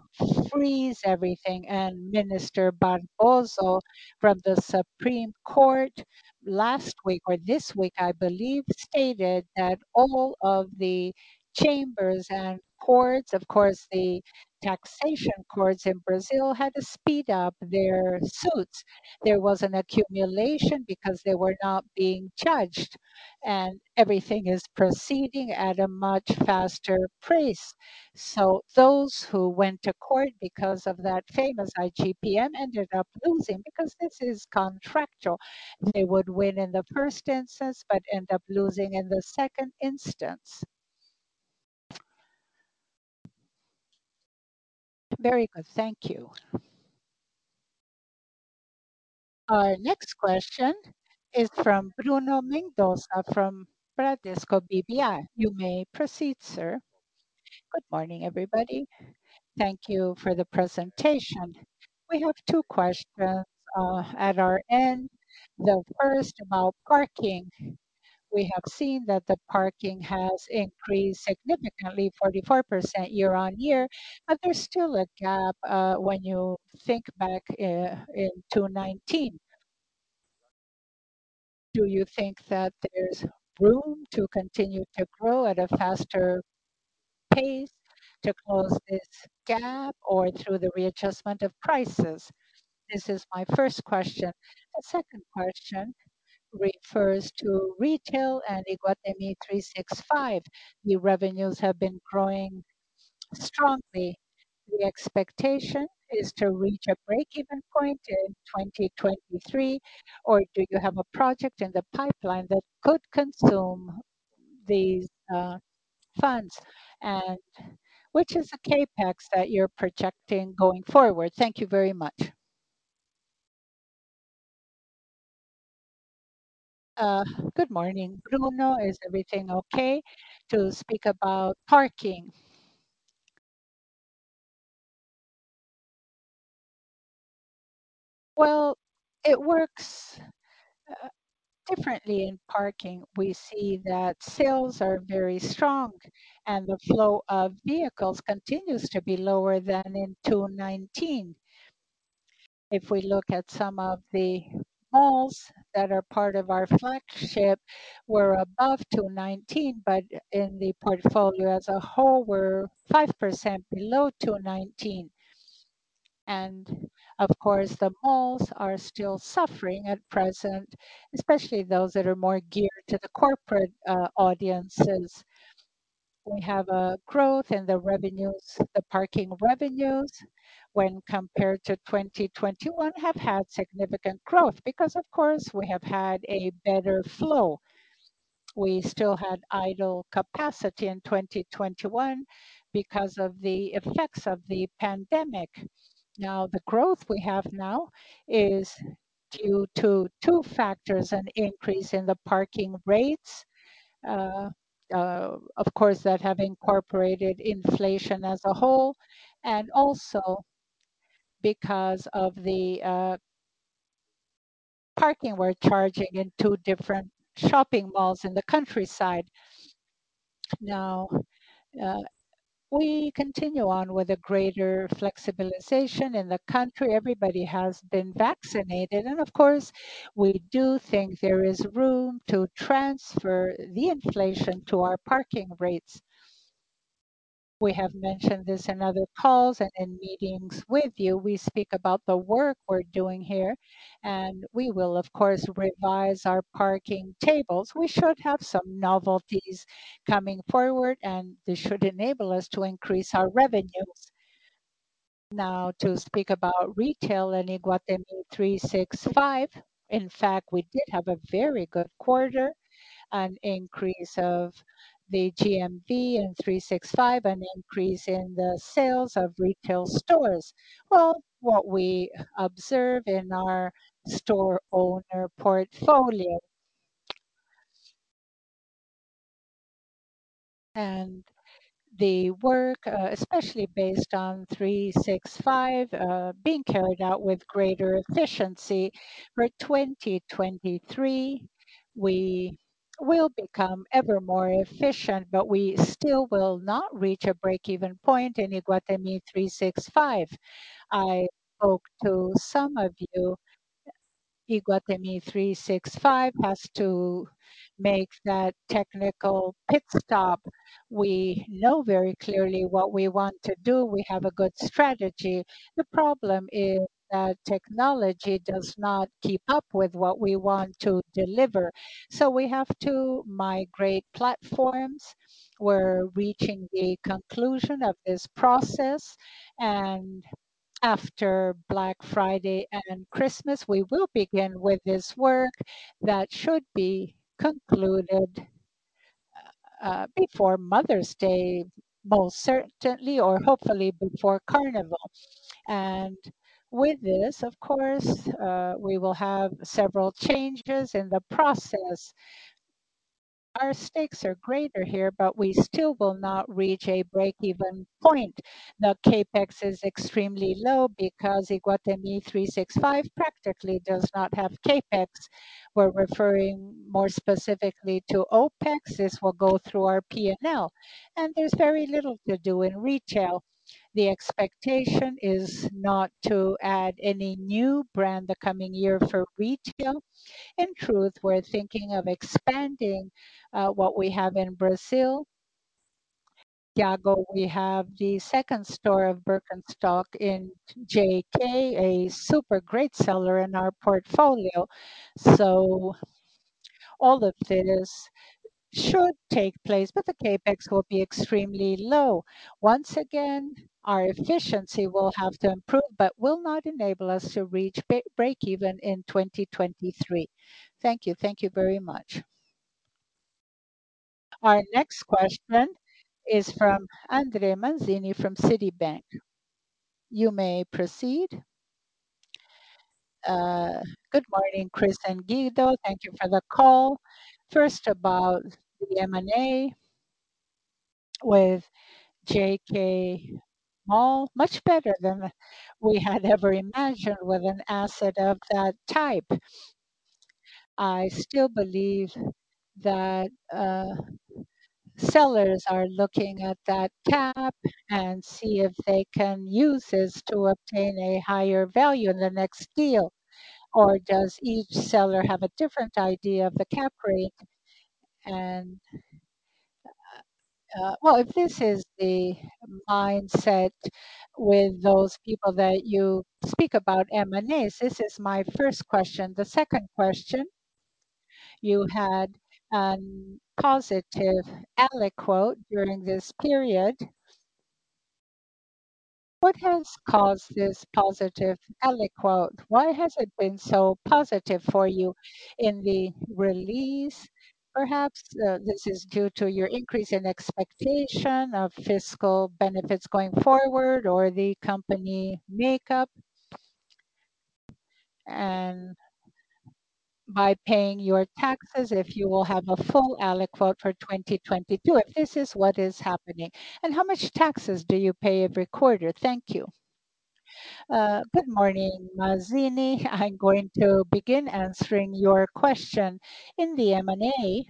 freeze everything. Minister Barroso from the Supreme Federal Court last week or this week, I believe, stated that all of the chambers and courts, of course, the taxation courts in Brazil, had to speed up their suits. There was an accumulation because they were not being judged. Everything is proceeding at a much faster pace. Those who went to court because of that famous IGPM ended up losing because this is contractual. They would win in the first instance but end up losing in the second instance. Very good. Thank you. Our next question is from Bruno Mendonça from Bradesco BBI. You may proceed, sir. Good morning, everybody. Thank you for the presentation. We have two questions at our end. The first, about parking. We have seen that the parking has increased significantly, 44% year-over-year, but there's still a gap when you think back in 2019. Do you think that there's room to continue to grow at a faster pace to close this gap or through the readjustment of prices? This is my first question. The second question refers to retail and Iguatemi 365. Your revenues have been growing strongly. The expectation is to reach a break-even point in 2023. Do you have a project in the pipeline that could consume these funds? Which is the CapEx that you're projecting going forward? Thank you very much. Good morning. Bruno, is everything okay to speak about parking? Well, it works differently in parking. We see that sales are very strong. The flow of vehicles continues to be lower than in 2019. If we look at some of the malls that are part of our flagship, we're above 2019, but in the portfolio as a whole, we're 5% below 2019. Of course, the malls are still suffering at present, especially those that are more geared to the corporate audiences. We have a growth in the parking revenues when compared to 2021, have had significant growth because, of course, we have had a better flow. We still had idle capacity in 2021 because of the effects of the pandemic. The growth we have now is due to two factors, an increase in the parking rates, of course, that have incorporated inflation as a whole, and also because of the parking we're charging in two different shopping malls in the countryside. We continue on with a greater flexibilization in the country. Everybody has been vaccinated. Of course, we do think there is room to transfer the inflation to our parking rates. We have mentioned this in other calls and in meetings with you. We speak about the work we're doing here, and we will, of course, revise our parking tables. We should have some novelties coming forward, and this should enable us to increase our revenues. Now to speak about retail in Iguatemi 365. In fact, we did have a very good quarter, an increase of the GMV in 365, an increase in the sales of retail stores. Well, what we observe in our store owner portfolio. The work, especially based on 365, being carried out with greater efficiency. For 2023, we will become ever more efficient, but we still will not reach a break-even point in Iguatemi 365. I spoke to some of you, Iguatemi 365 has to make that technical pit stop. We know very clearly what we want to do. We have a good strategy. The problem is that technology does not keep up with what we want to deliver. We have to migrate platforms. We're reaching the conclusion of this process. After Black Friday and Christmas, we will begin with this work that should be concluded before Mother's Day, most certainly, or hopefully before Carnival. With this, of course, we will have several changes in the process. Our stakes are greater here. We still will not reach a break-even point. CapEx is extremely low because Iguatemi 365 practically does not have CapEx. We're referring more specifically to OpEx. This will go through our P&L. There's very little to do in retail. The expectation is not to add any new brand the coming year for retail. In truth, we're thinking of expanding what we have in Brazil. Thiago, we have the second store of Birkenstock in JK, a super great seller in our portfolio. All of this should take place, but the CapEx will be extremely low. Once again, our efficiency will have to improve but will not enable us to reach break even in 2023. Thank you. Thank you very much. Our next question is from André Mazini from Citibank. You may proceed. Good morning, Chris and Guido. Thank you for the call. First, about the M&A with JK Mall. Much better than we had ever imagined with an asset of that type. I still believe that sellers are looking at that cap and see if they can use this to obtain a higher value in the next deal. Does each seller have a different idea of the cap rate? Well, if this is the mindset with those people that you speak about M&As, this is my first question. The second question, you had a positive alíquota during this period. What has caused this positive alíquota? Why has it been so positive for you in the release? Perhaps this is due to your increase in expectation of fiscal benefits going forward or the company makeup? By paying your taxes, if you will have a full alíquota for 2022, if this is what is happening, and how much taxes do you pay every quarter? Thank you. Good morning, Mazini. I'm going to begin answering your question. In the M&A,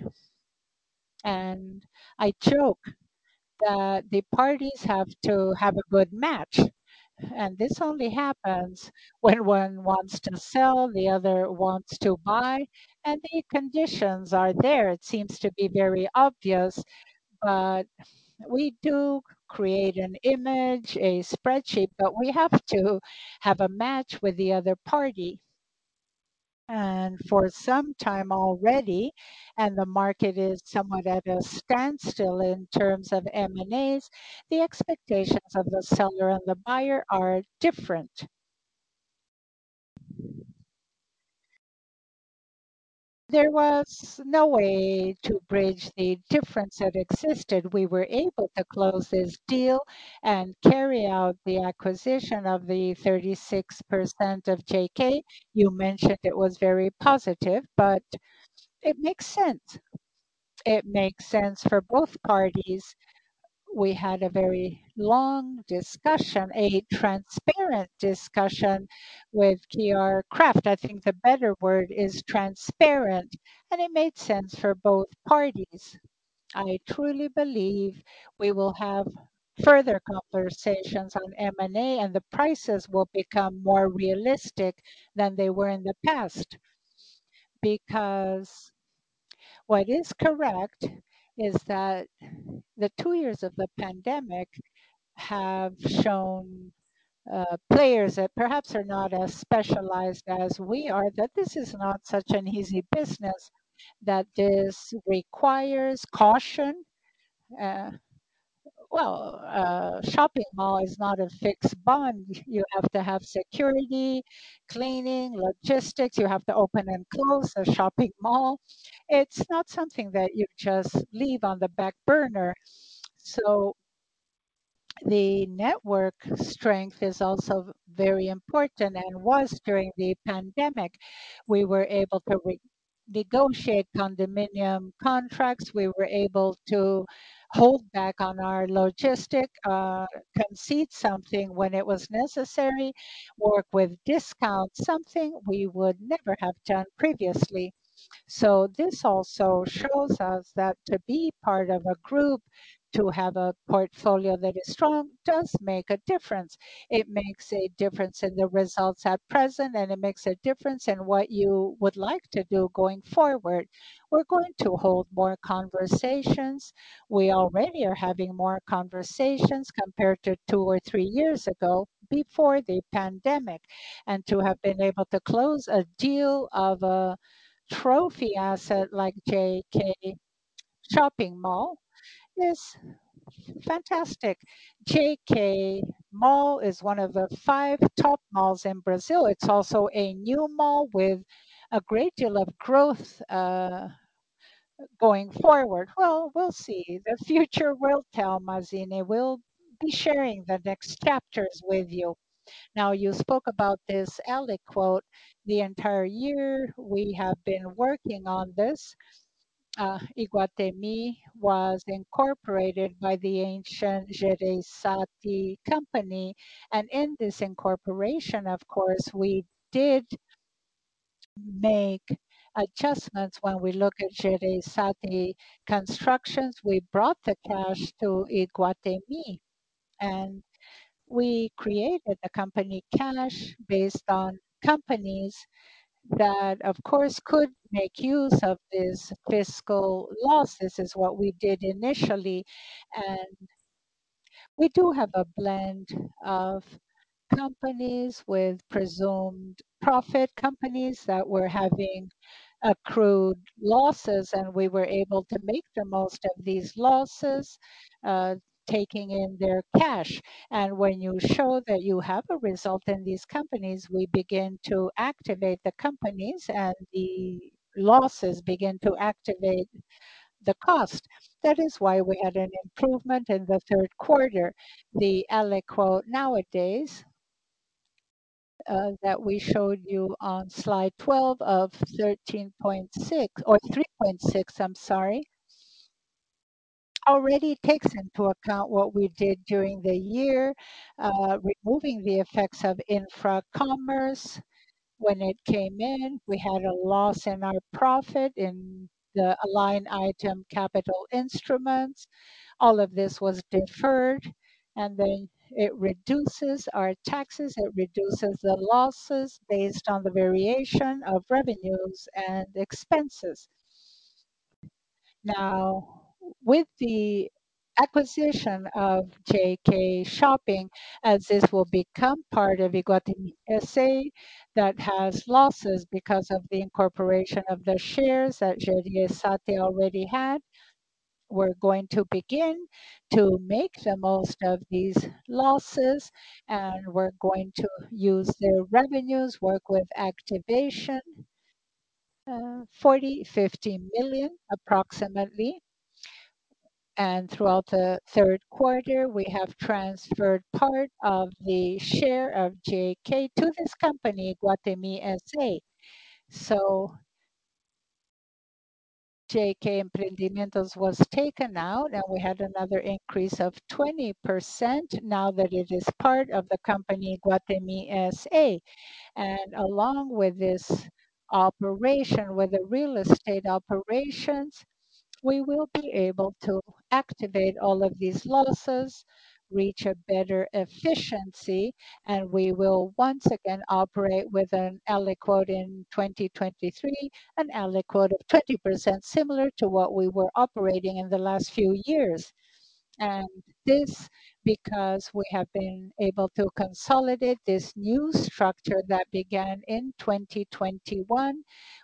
I joke that the parties have to have a good match. This only happens when one wants to sell, the other wants to buy, and the conditions are there. It seems to be very obvious, but we do create an image, a spreadsheet, but we have to have a match with the other party. For some time already, the market is somewhat at a standstill in terms of M&As. The expectations of the seller and the buyer are different. There was no way to bridge the difference that existed. We were able to close this deal and carry out the acquisition of the 36% of JK. You mentioned it was very positive, but it makes sense. It makes sense for both parties. We had a very long discussion, a transparent discussion with KR Craft. I think the better word is transparent, and it made sense for both parties. I truly believe we will have further conversations on M&A, and the prices will become more realistic than they were in the past. What is correct is that the two years of the pandemic have shown players that perhaps are not as specialized as we are, that this is not such an easy business, that this requires caution. A shopping mall is not a fixed bond. You have to have security, cleaning, logistics. You have to open and close a shopping mall. It's not something that you just leave on the back burner. The network strength is also very important and was during the pandemic. We were able to negotiate condominium contracts. We were able to hold back on our logistic, concede something when it was necessary, work with discounts, something we would never have done previously. This also shows us that to be part of a group, to have a portfolio that is strong, does make a difference. It makes a difference in the results at present, and it makes a difference in what you would like to do going forward. We're going to hold more conversations. We already are having more conversations compared to two or three years ago, before the pandemic. To have been able to close a deal of a trophy asset like JK Shopping Mall is fantastic. JK Mall is one of the five top malls in Brazil. It's also a new mall with a great deal of growth going forward. We'll see. The future will tell, Mazini. We'll be sharing the next chapters with you. Now, you spoke about this alíquota. The entire year we have been working on this. Iguatemi was incorporated by the ancient Jereissati company. In this incorporation, of course, we did make adjustments when we look at Jereissati Construções. We brought the cash to Iguatemi. We created a company, Canis, based on companies that, of course, could make use of these fiscal losses, is what we did initially. We do have a blend of companies with presumed profit companies that were having accrued losses, and we were able to make the most of these losses, taking in their cash. When you show that you have a result in these companies, we begin to activate the companies, and the losses begin to activate the cost. That is why we had an improvement in the third quarter. The alíquota nowadays, that we showed you on slide 12 of 13.6 or 3.6, I'm sorry, already takes into account what we did during the year. Removing the effects of Infracommerce when it came in. We had a loss in our profit in the line item capital instruments. All of this was deferred, then it reduces our taxes. It reduces the losses based on the variation of revenues and expenses. With the acquisition of JK Iguatemi, as this will become part of Iguatemi S.A. that has losses because of the incorporation of the shares that Jereissati already had, we are going to begin to make the most of these losses, and we are going to use their revenues, work with activation, BRL 40 million-BRL 50 million approximately. Throughout the third quarter, we have transferred part of the share of JK to this company, Iguatemi S.A. JK Empreendimentos was taken out, and we had another increase of 20% now that it is part of the company, Iguatemi S.A. Along with this operation, with the real estate operations, we will be able to activate all of these losses, reach a better efficiency, and we will once again operate with an alíquota in 2023, an alíquota of 20%, similar to what we were operating in the last few years. This because we have been able to consolidate this new structure that began in 2021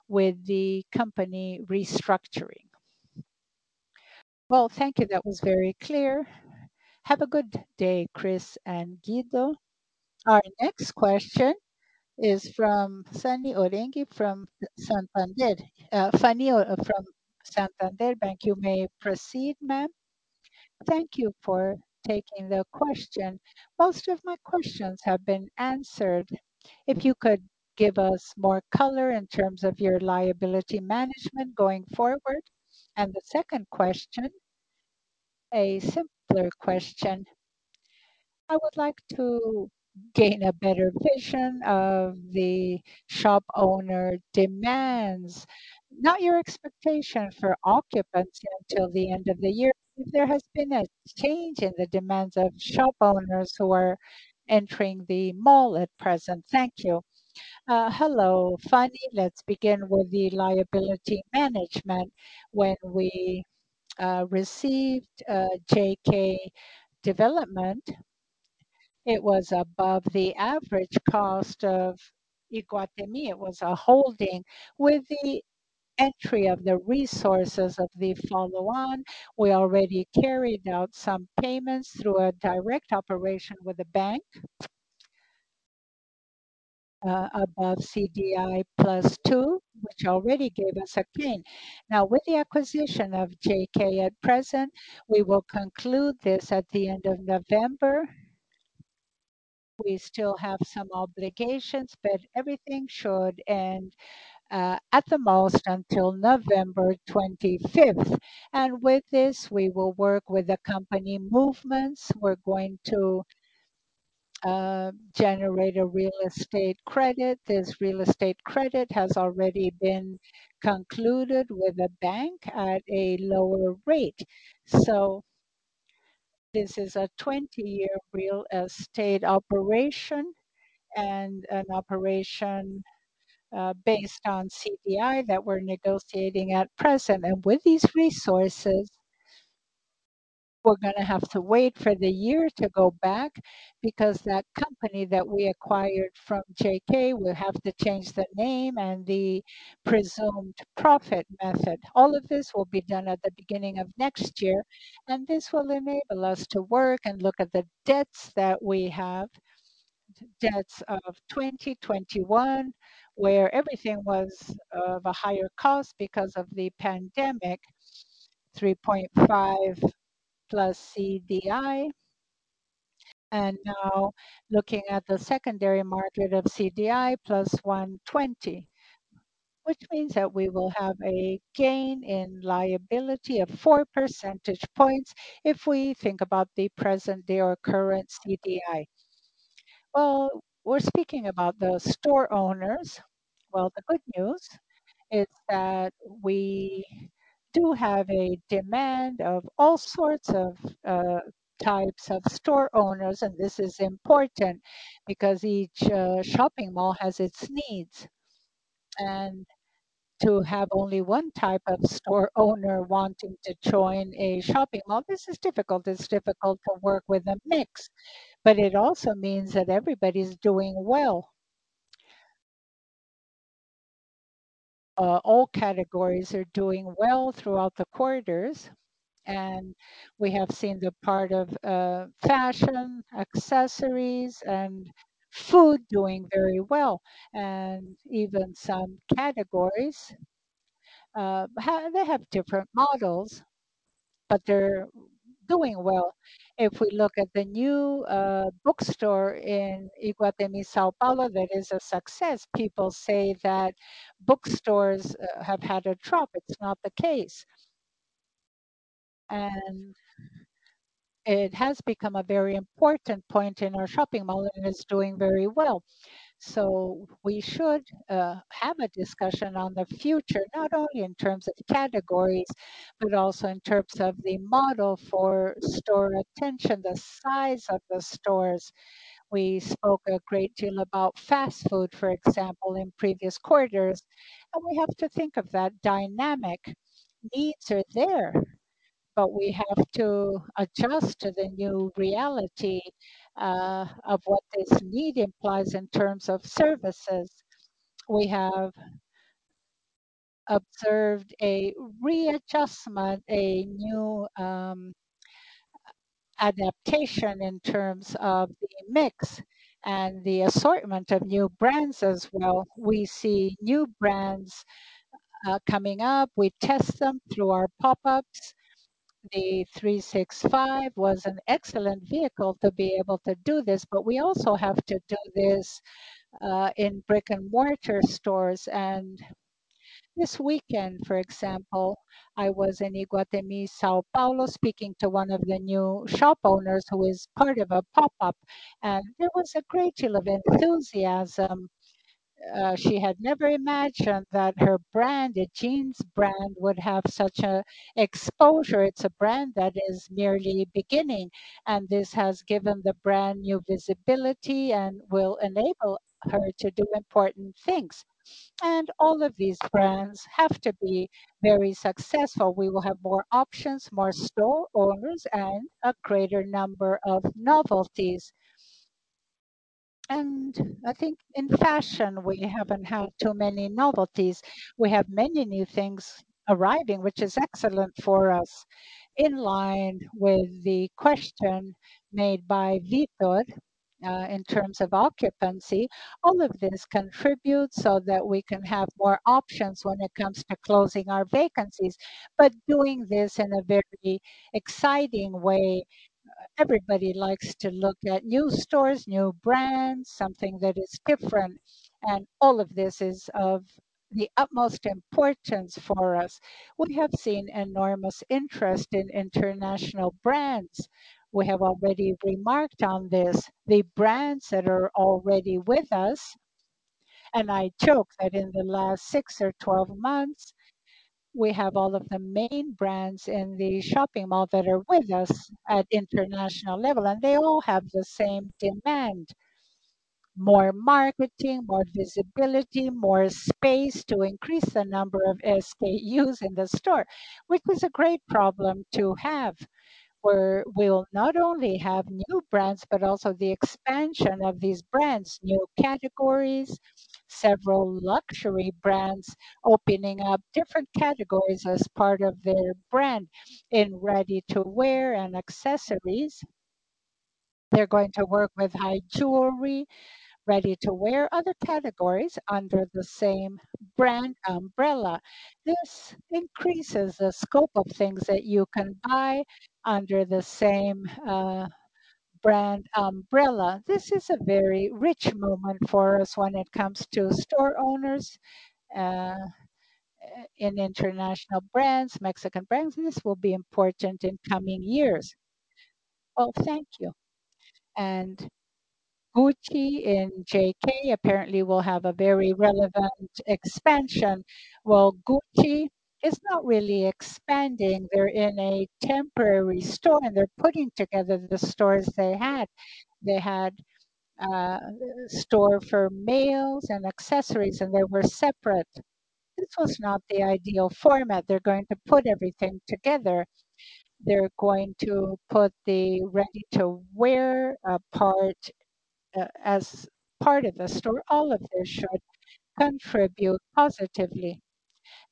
with the company restructuring. Well, thank you. That was very clear. Have a good day, Chris and Guido. Our next question is from Fanny Oreng from Santander Bank. You may proceed, ma'am. Thank you for taking the question. Most of my questions have been answered. If you could give us more color in terms of your liability management going forward. The second question, a simpler question. I would like to gain a better vision of the shop owner demands, not your expectation for occupancy until the end of the year, if there has been a change in the demands of shop owners who are entering the mall at present. Thank you. Hello, Fanny. Let's begin with the liability management. When we received JK Empreendimentos, it was above the average cost of Iguatemi. It was a holding. With the entry of the resources of the follow-on, we already carried out some payments through a direct operation with a bank above CDI + 2, which already gave us a gain. With the acquisition of JK at present, we will conclude this at the end of November. We still have some obligations, but everything should end at the most until November 25th. With this, we will work with the company movements. We are going to generate a real estate credit. This real estate credit has already been concluded with a bank at a lower rate. This is a 20-year real estate operation and an operation based on CDI that we are negotiating at present. With these resources, we are going to have to wait for the year to go back because that company that we acquired from JK will have to change the name and the presumed profit method. All of this will be done at the beginning of next year, and this will enable us to work and look at the debts that we have, debts of 2021, where everything was of a higher cost because of the pandemic, 3.5 + CDI. Now looking at the secondary market of CDI + 120, which means that we will have a gain in liability of four percentage points if we think about the present day or current CDI. We are speaking about the store owners. The good news is that we do have a demand of all sorts of types of store owners, and this is important because each shopping mall has its needs. To have only one type of store owner wanting to join a shopping mall, this is difficult. It is difficult to work with a mix, but it also means that everybody is doing well. All categories are doing well throughout the quarters, and we have seen the part of fashion, accessories, and food doing very well. Even some categories, they have different models, but they are doing well. We look at the new bookstore in Iguatemi São Paulo, that is a success. People say that bookstores have had a drop. It is not the case. It has become a very important point in our shopping mall, and it is doing very well. We should have a discussion on the future, not only in terms of categories, but also in terms of the model for store attention, the size of the stores. We spoke a great deal about fast food, for example, in previous quarters, and we have to think of that dynamic. Needs are there, but we have to adjust to the new reality of what this need implies in terms of services. We have observed a readjustment, a new adaptation in terms of the mix and the assortment of new brands as well. We see new brands coming up. We test them through our pop-ups. The 365 was an excellent vehicle to be able to do this, but we also have to do this in brick-and-mortar stores. This weekend, for example, I was in Iguatemi São Paulo, speaking to one of the new shop owners who is part of a pop-up, and there was a great deal of enthusiasm. She had never imagined that her brand, a jeans brand, would have such exposure. It is a brand that is merely beginning, and this has given the brand new visibility and will enable her to do important things. All of these brands have to be very successful. We will have more options, more store owners, and a greater number of novelties. I think in fashion, we have not had too many novelties. We have many new things arriving, which is excellent for us. In line with the question made by Vitor, in terms of occupancy, all of this contributes so that we can have more options when it comes to closing our vacancies, but doing this in a very exciting way. Everybody likes to look at new stores, new brands, something that is different, and all of this is of the utmost importance for us. We have seen enormous interest in international brands. We have already remarked on this. The brands that are already with us, and I joke that in the last 6 or 12 months, we have all of the main brands in the shopping mall that are with us at international level, and they all have the same demand. More marketing, more visibility, more space to increase the number of SKUs in the store, which is a great problem to have, where we'll not only have new brands, but also the expansion of these brands. New categories, several luxury brands opening up different categories as part of their brand in ready-to-wear and accessories. They're going to work with high jewelry, ready to wear other categories under the same brand umbrella. This increases the scope of things that you can buy under the same brand umbrella. This is a very rich movement for us when it comes to store owners in international brands, Mexican brands. This will be important in coming years. Thank you. Gucci in JK apparently will have a very relevant expansion. Gucci is not really expanding. They're in a temporary store, and they're putting together the stores they had. They had a store for males and accessories, and they were separate. This was not the ideal format. They're going to put everything together. They're going to put the ready-to-wear part as part of the store. All of this should contribute positively.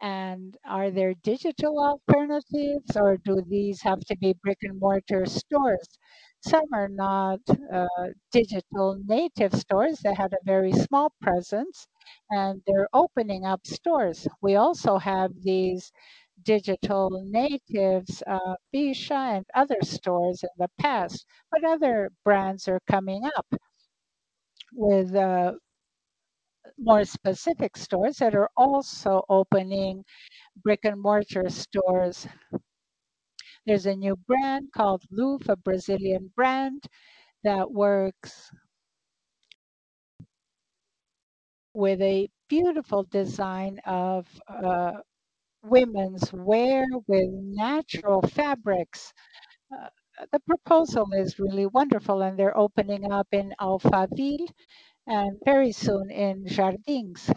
Are there digital alternatives, or do these have to be brick-and-mortar stores? Some are not digital native stores. They had a very small presence, and they're opening up stores. We also have these digital natives, Bicha and other stores in the past, but other brands are coming up with more specific stores that are also opening brick-and-mortar stores. There's a new brand called Loof, a Brazilian brand that works with a beautiful design of women's wear with natural fabrics. The proposal is really wonderful, and they're opening up in Alphaville and very soon in Jardins.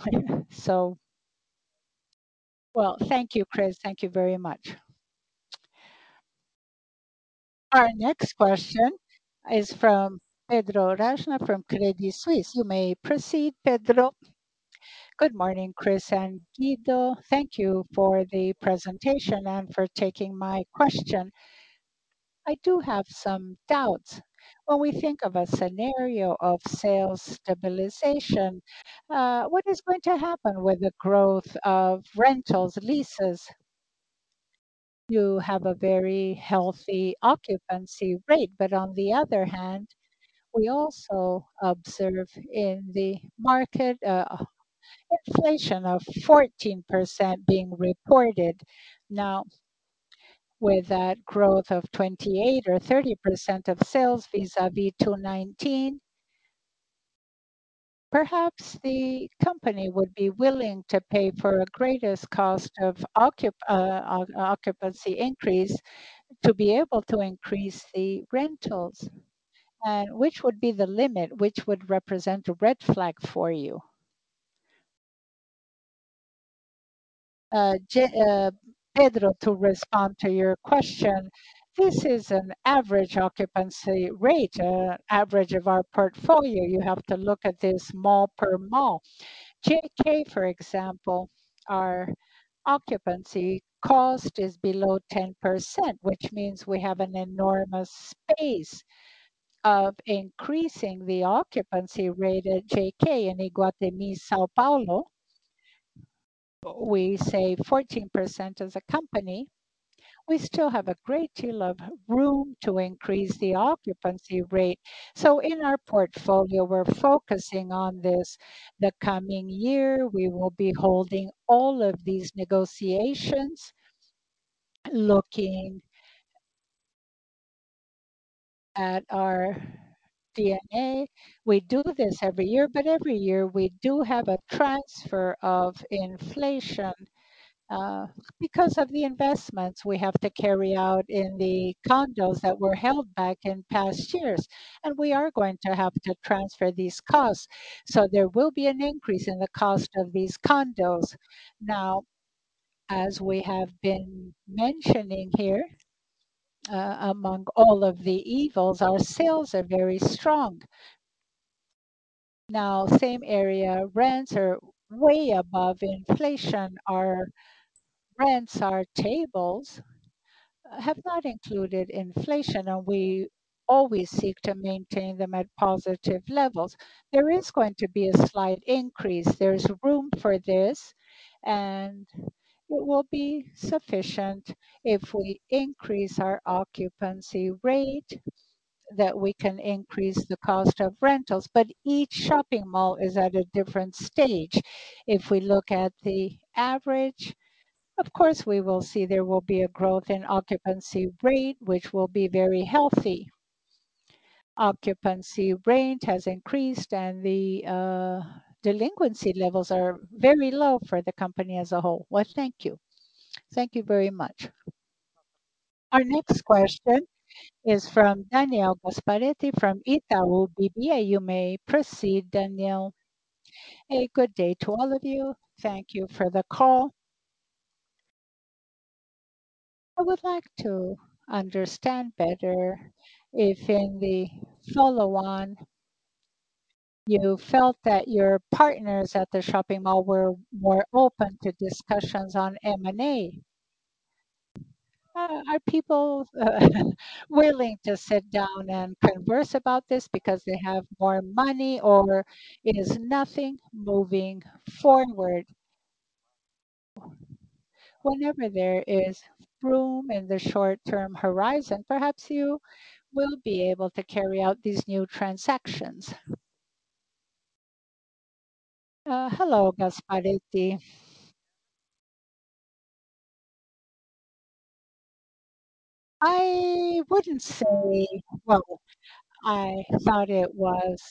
Thank you, Chris. Thank you very much. Our next question is from Pedro Hajnal from Credit Suisse. You may proceed, Pedro. Good morning, Chris and Guido. Thank you for the presentation and for taking my question. I do have some doubts. When we think of a scenario of sales stabilization, what is going to happen with the growth of rentals, leases? You have a very healthy occupancy rate, but on the other hand, we also observe in the market, inflation of 14% being reported. With that growth of 28% or 30% of sales vis-à-vis 2019, perhaps the company would be willing to pay for a greatest cost of occupancy increase to be able to increase the rentals. Which would be the limit, which would represent a red flag for you? Pedro, to respond to your question, this is an average occupancy rate, an average of our portfolio. You have to look at this mall per mall. JK, for example, our occupancy cost is below 10%, which means we have an enormous space of increasing the occupancy rate at JK in Iguatemi São Paulo. We say 14% as a company. We still have a great deal of room to increase the occupancy rate. In our portfolio, we're focusing on this. The coming year, we will be holding all of these negotiations, looking at our DNA. We do this every year, but every year we do have a transfer of inflation, because of the investments we have to carry out in the condos that were held back in past years, and we are going to have to transfer these costs. There will be an increase in the cost of these condos. As we have been mentioning here Among all of the evils, our sales are very strong. Now, same area rents are way above inflation. Our rents, our tables, have not included inflation, and we always seek to maintain them at positive levels. There is going to be a slight increase. There is room for this, and it will be sufficient if we increase our occupancy rate that we can increase the cost of rentals. But each shopping mall is at a different stage. If we look at the average, of course, we will see there will be a growth in occupancy rate, which will be very healthy. Occupancy rate has increased, and the delinquency levels are very low for the company as a whole. Well, thank you. Thank you very much. Our next question is from Daniel Gasparetti from Itaú BBA. You may proceed, Daniel. A good day to all of you. Thank you for the call. I would like to understand better if in the follow-on, you felt that your partners at the shopping mall were more open to discussions on M&A. Are people willing to sit down and converse about this because they have more money, or is nothing moving forward? Whenever there is room in the short-term horizon, perhaps you will be able to carry out these new transactions. Hello, Gasparetti. Well, I thought it was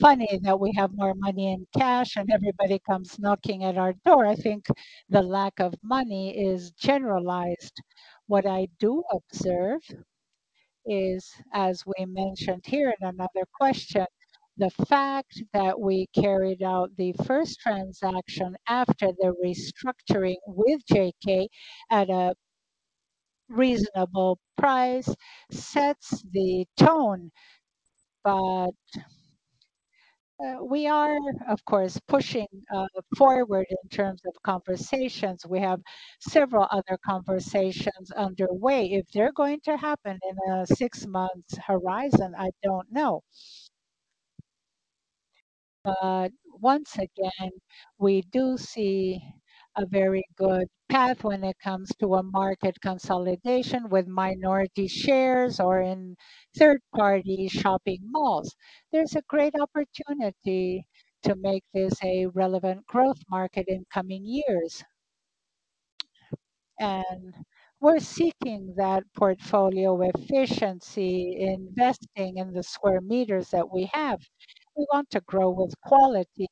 funny that we have more money in cash and everybody comes knocking at our door. I think the lack of money is generalized. What I do observe is, as we mentioned here in another question, the fact that we carried out the first transaction after the restructuring with JK at a reasonable price sets the tone. We are, of course, pushing forward in terms of conversations. We have several other conversations underway. If they're going to happen in a six-month horizon, I don't know. Once again, we do see a very good path when it comes to a market consolidation with minority shares or in third-party shopping malls. There's a great opportunity to make this a relevant growth market in coming years. We're seeking that portfolio efficiency, investing in the square meters that we have. We want to grow with quality.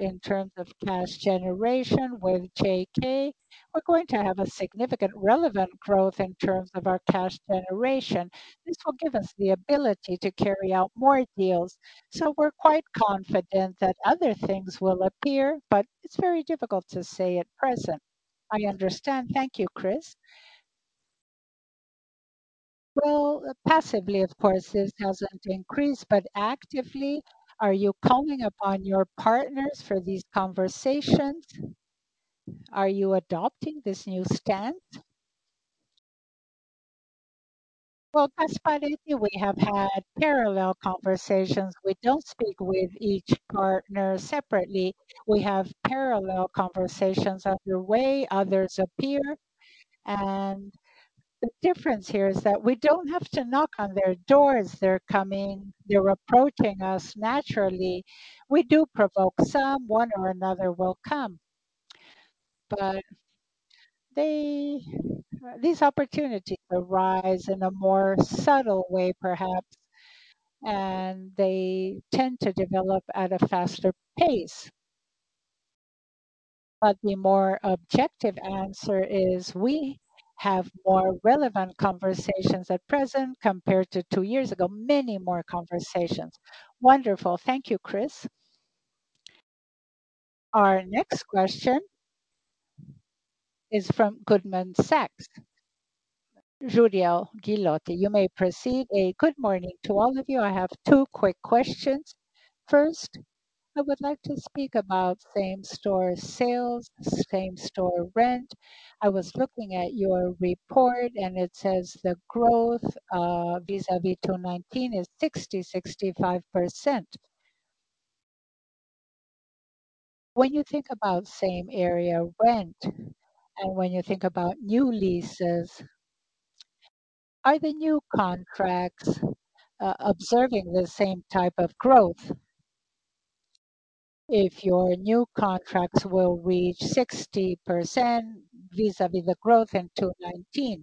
In terms of cash generation with JK, we're going to have a significant relevant growth in terms of our cash generation. This will give us the ability to carry out more deals. We're quite confident that other things will appear, but it's very difficult to say at present. I understand. Thank you, Chris. Passively, of course, this doesn't increase, but actively, are you calling upon your partners for these conversations? Are you adopting this new stance? Gasparetti, we have had parallel conversations. We don't speak with each partner separately. We have parallel conversations underway. Others appear, the difference here is that we don't have to knock on their doors. They're coming. They're approaching us naturally. We do provoke some. One or another will come. These opportunities arise in a more subtle way, perhaps, and they tend to develop at a faster pace. The more objective answer is we have more relevant conversations at present compared to two years ago, many more conversations. Wonderful. Thank you, Chris. Our next question is from Goldman Sachs. Jorel Guilloty, you may proceed. A good morning to all of you. I have two quick questions. First, I would like to speak about same-store sales, same-store rent. I was looking at your report, and it says the growth vis-à-vis 2019 is 60%-65%. When you think about same-area rent and when you think about new leases, are the new contracts observing the same type of growth? If your new contracts will reach 60% vis-à-vis the growth in 2019.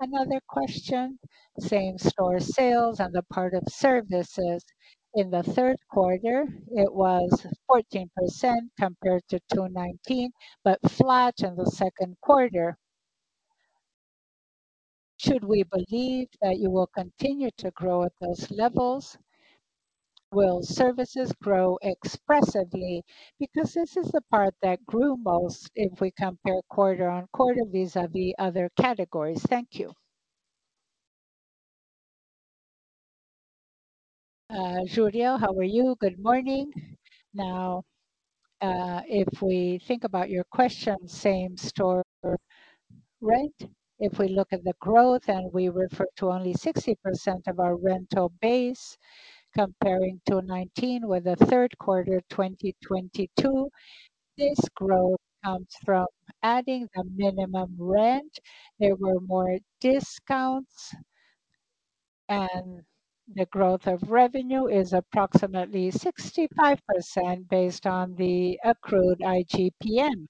Another question, same-store sales and the part of services. In the third quarter, it was 14% compared to 2019, but flat in the second quarter. Should we believe that you will continue to grow at those levels? Will services grow expressively? Because this is the part that grew most if we compare quarter-on-quarter vis-à-vis other categories. Thank you. Jorel, how are you? Good morning. If we think about your question, same-store rent, if we look at the growth, and we refer to only 60% of our rental base comparing 2019 with the third quarter 2022, this growth comes from adding the minimum rent. There were more discounts, and the growth of revenue is approximately 65% based on the accrued IGPM.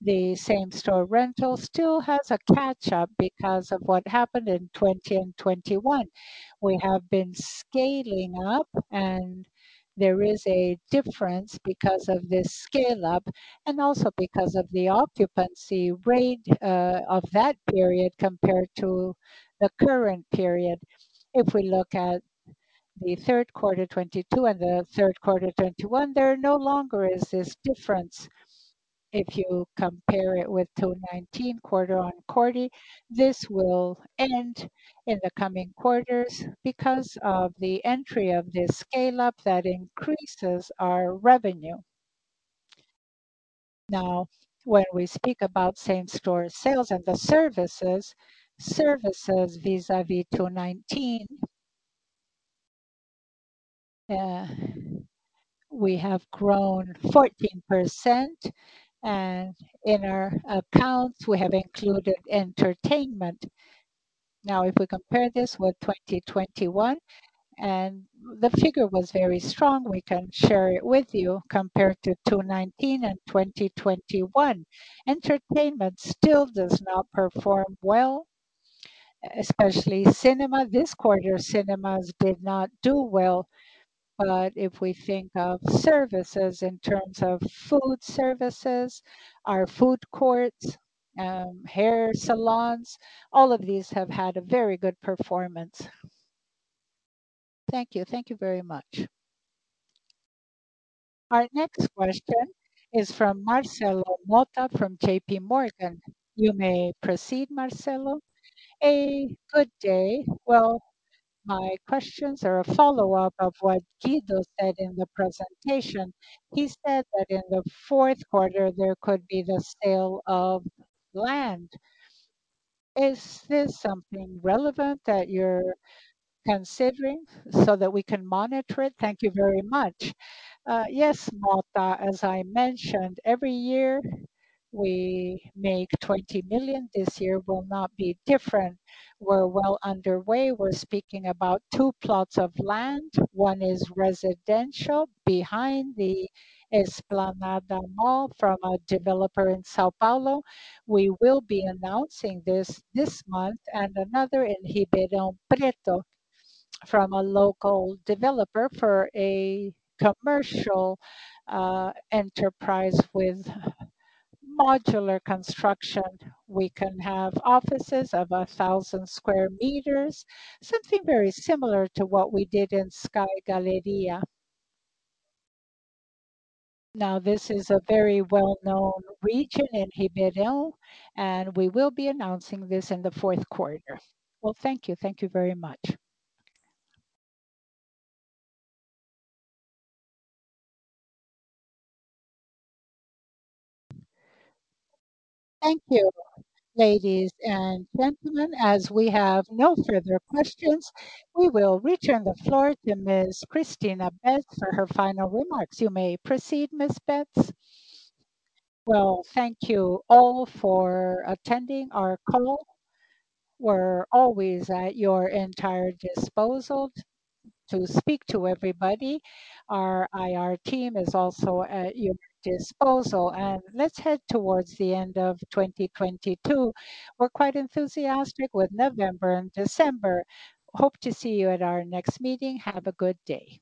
The same-store rental still has a catch-up because of what happened in 2020 and 2021. We have been scaling up, and there is a difference because of this scale-up and also because of the occupancy rate of that period compared to the current period. If we look at the third quarter 2022 and the third quarter 2021, there no longer is this difference. If you compare it with 2019 quarter-on-quarter, this will end in the coming quarters because of the entry of this scale-up that increases our revenue. When we speak about same-store sales and the services vis-à-vis 2019, we have grown 14%, and in our accounts we have included entertainment. If we compare this with 2021, and the figure was very strong, we can share it with you compared to 2019 and 2021. Entertainment still does not perform well, especially cinema. This quarter, cinemas did not do well. If we think of services in terms of food services, our food courts, hair salons, all of these have had a very good performance. Thank you. Thank you very much. Our next question is from Marcelo Motta from JPMorgan. You may proceed, Marcelo. A good day. My questions are a follow-up of what Guido said in the presentation. He said that in the fourth quarter, there could be the sale of land. Is this something relevant that you're considering so that we can monitor it? Thank you very much. Yes, Motta, as I mentioned, every year we make 20 million. This year will not be different. We're well underway. We're speaking about two plots of land. One is residential behind the Esplanada Mall from a developer in São Paulo. We will be announcing this this month, and another in Ribeirão Preto from a local developer for a commercial enterprise with modular construction. We can have offices of 1,000 sq m, something very similar to what we did in Sky Galleria. This is a very well-known region in Ribeirão, and we will be announcing this in the fourth quarter. Thank you. Thank you very much. Thank you. Ladies and gentlemen, as we have no further questions, we will return the floor to Ms. Cristina Betts for her final remarks. You may proceed, Ms. Betts. Well, thank you all for attending our call. We are always at your entire disposal to speak to everybody. Our IR team is also at your disposal. Let's head towards the end of 2022. We are quite enthusiastic with November and December. Hope to see you at our next meeting. Have a good day.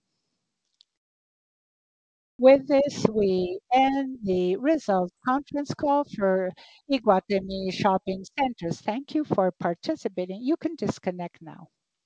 With this, we end the results conference call for Iguatemi Shopping Centers. Thank you for participating. You can disconnect now.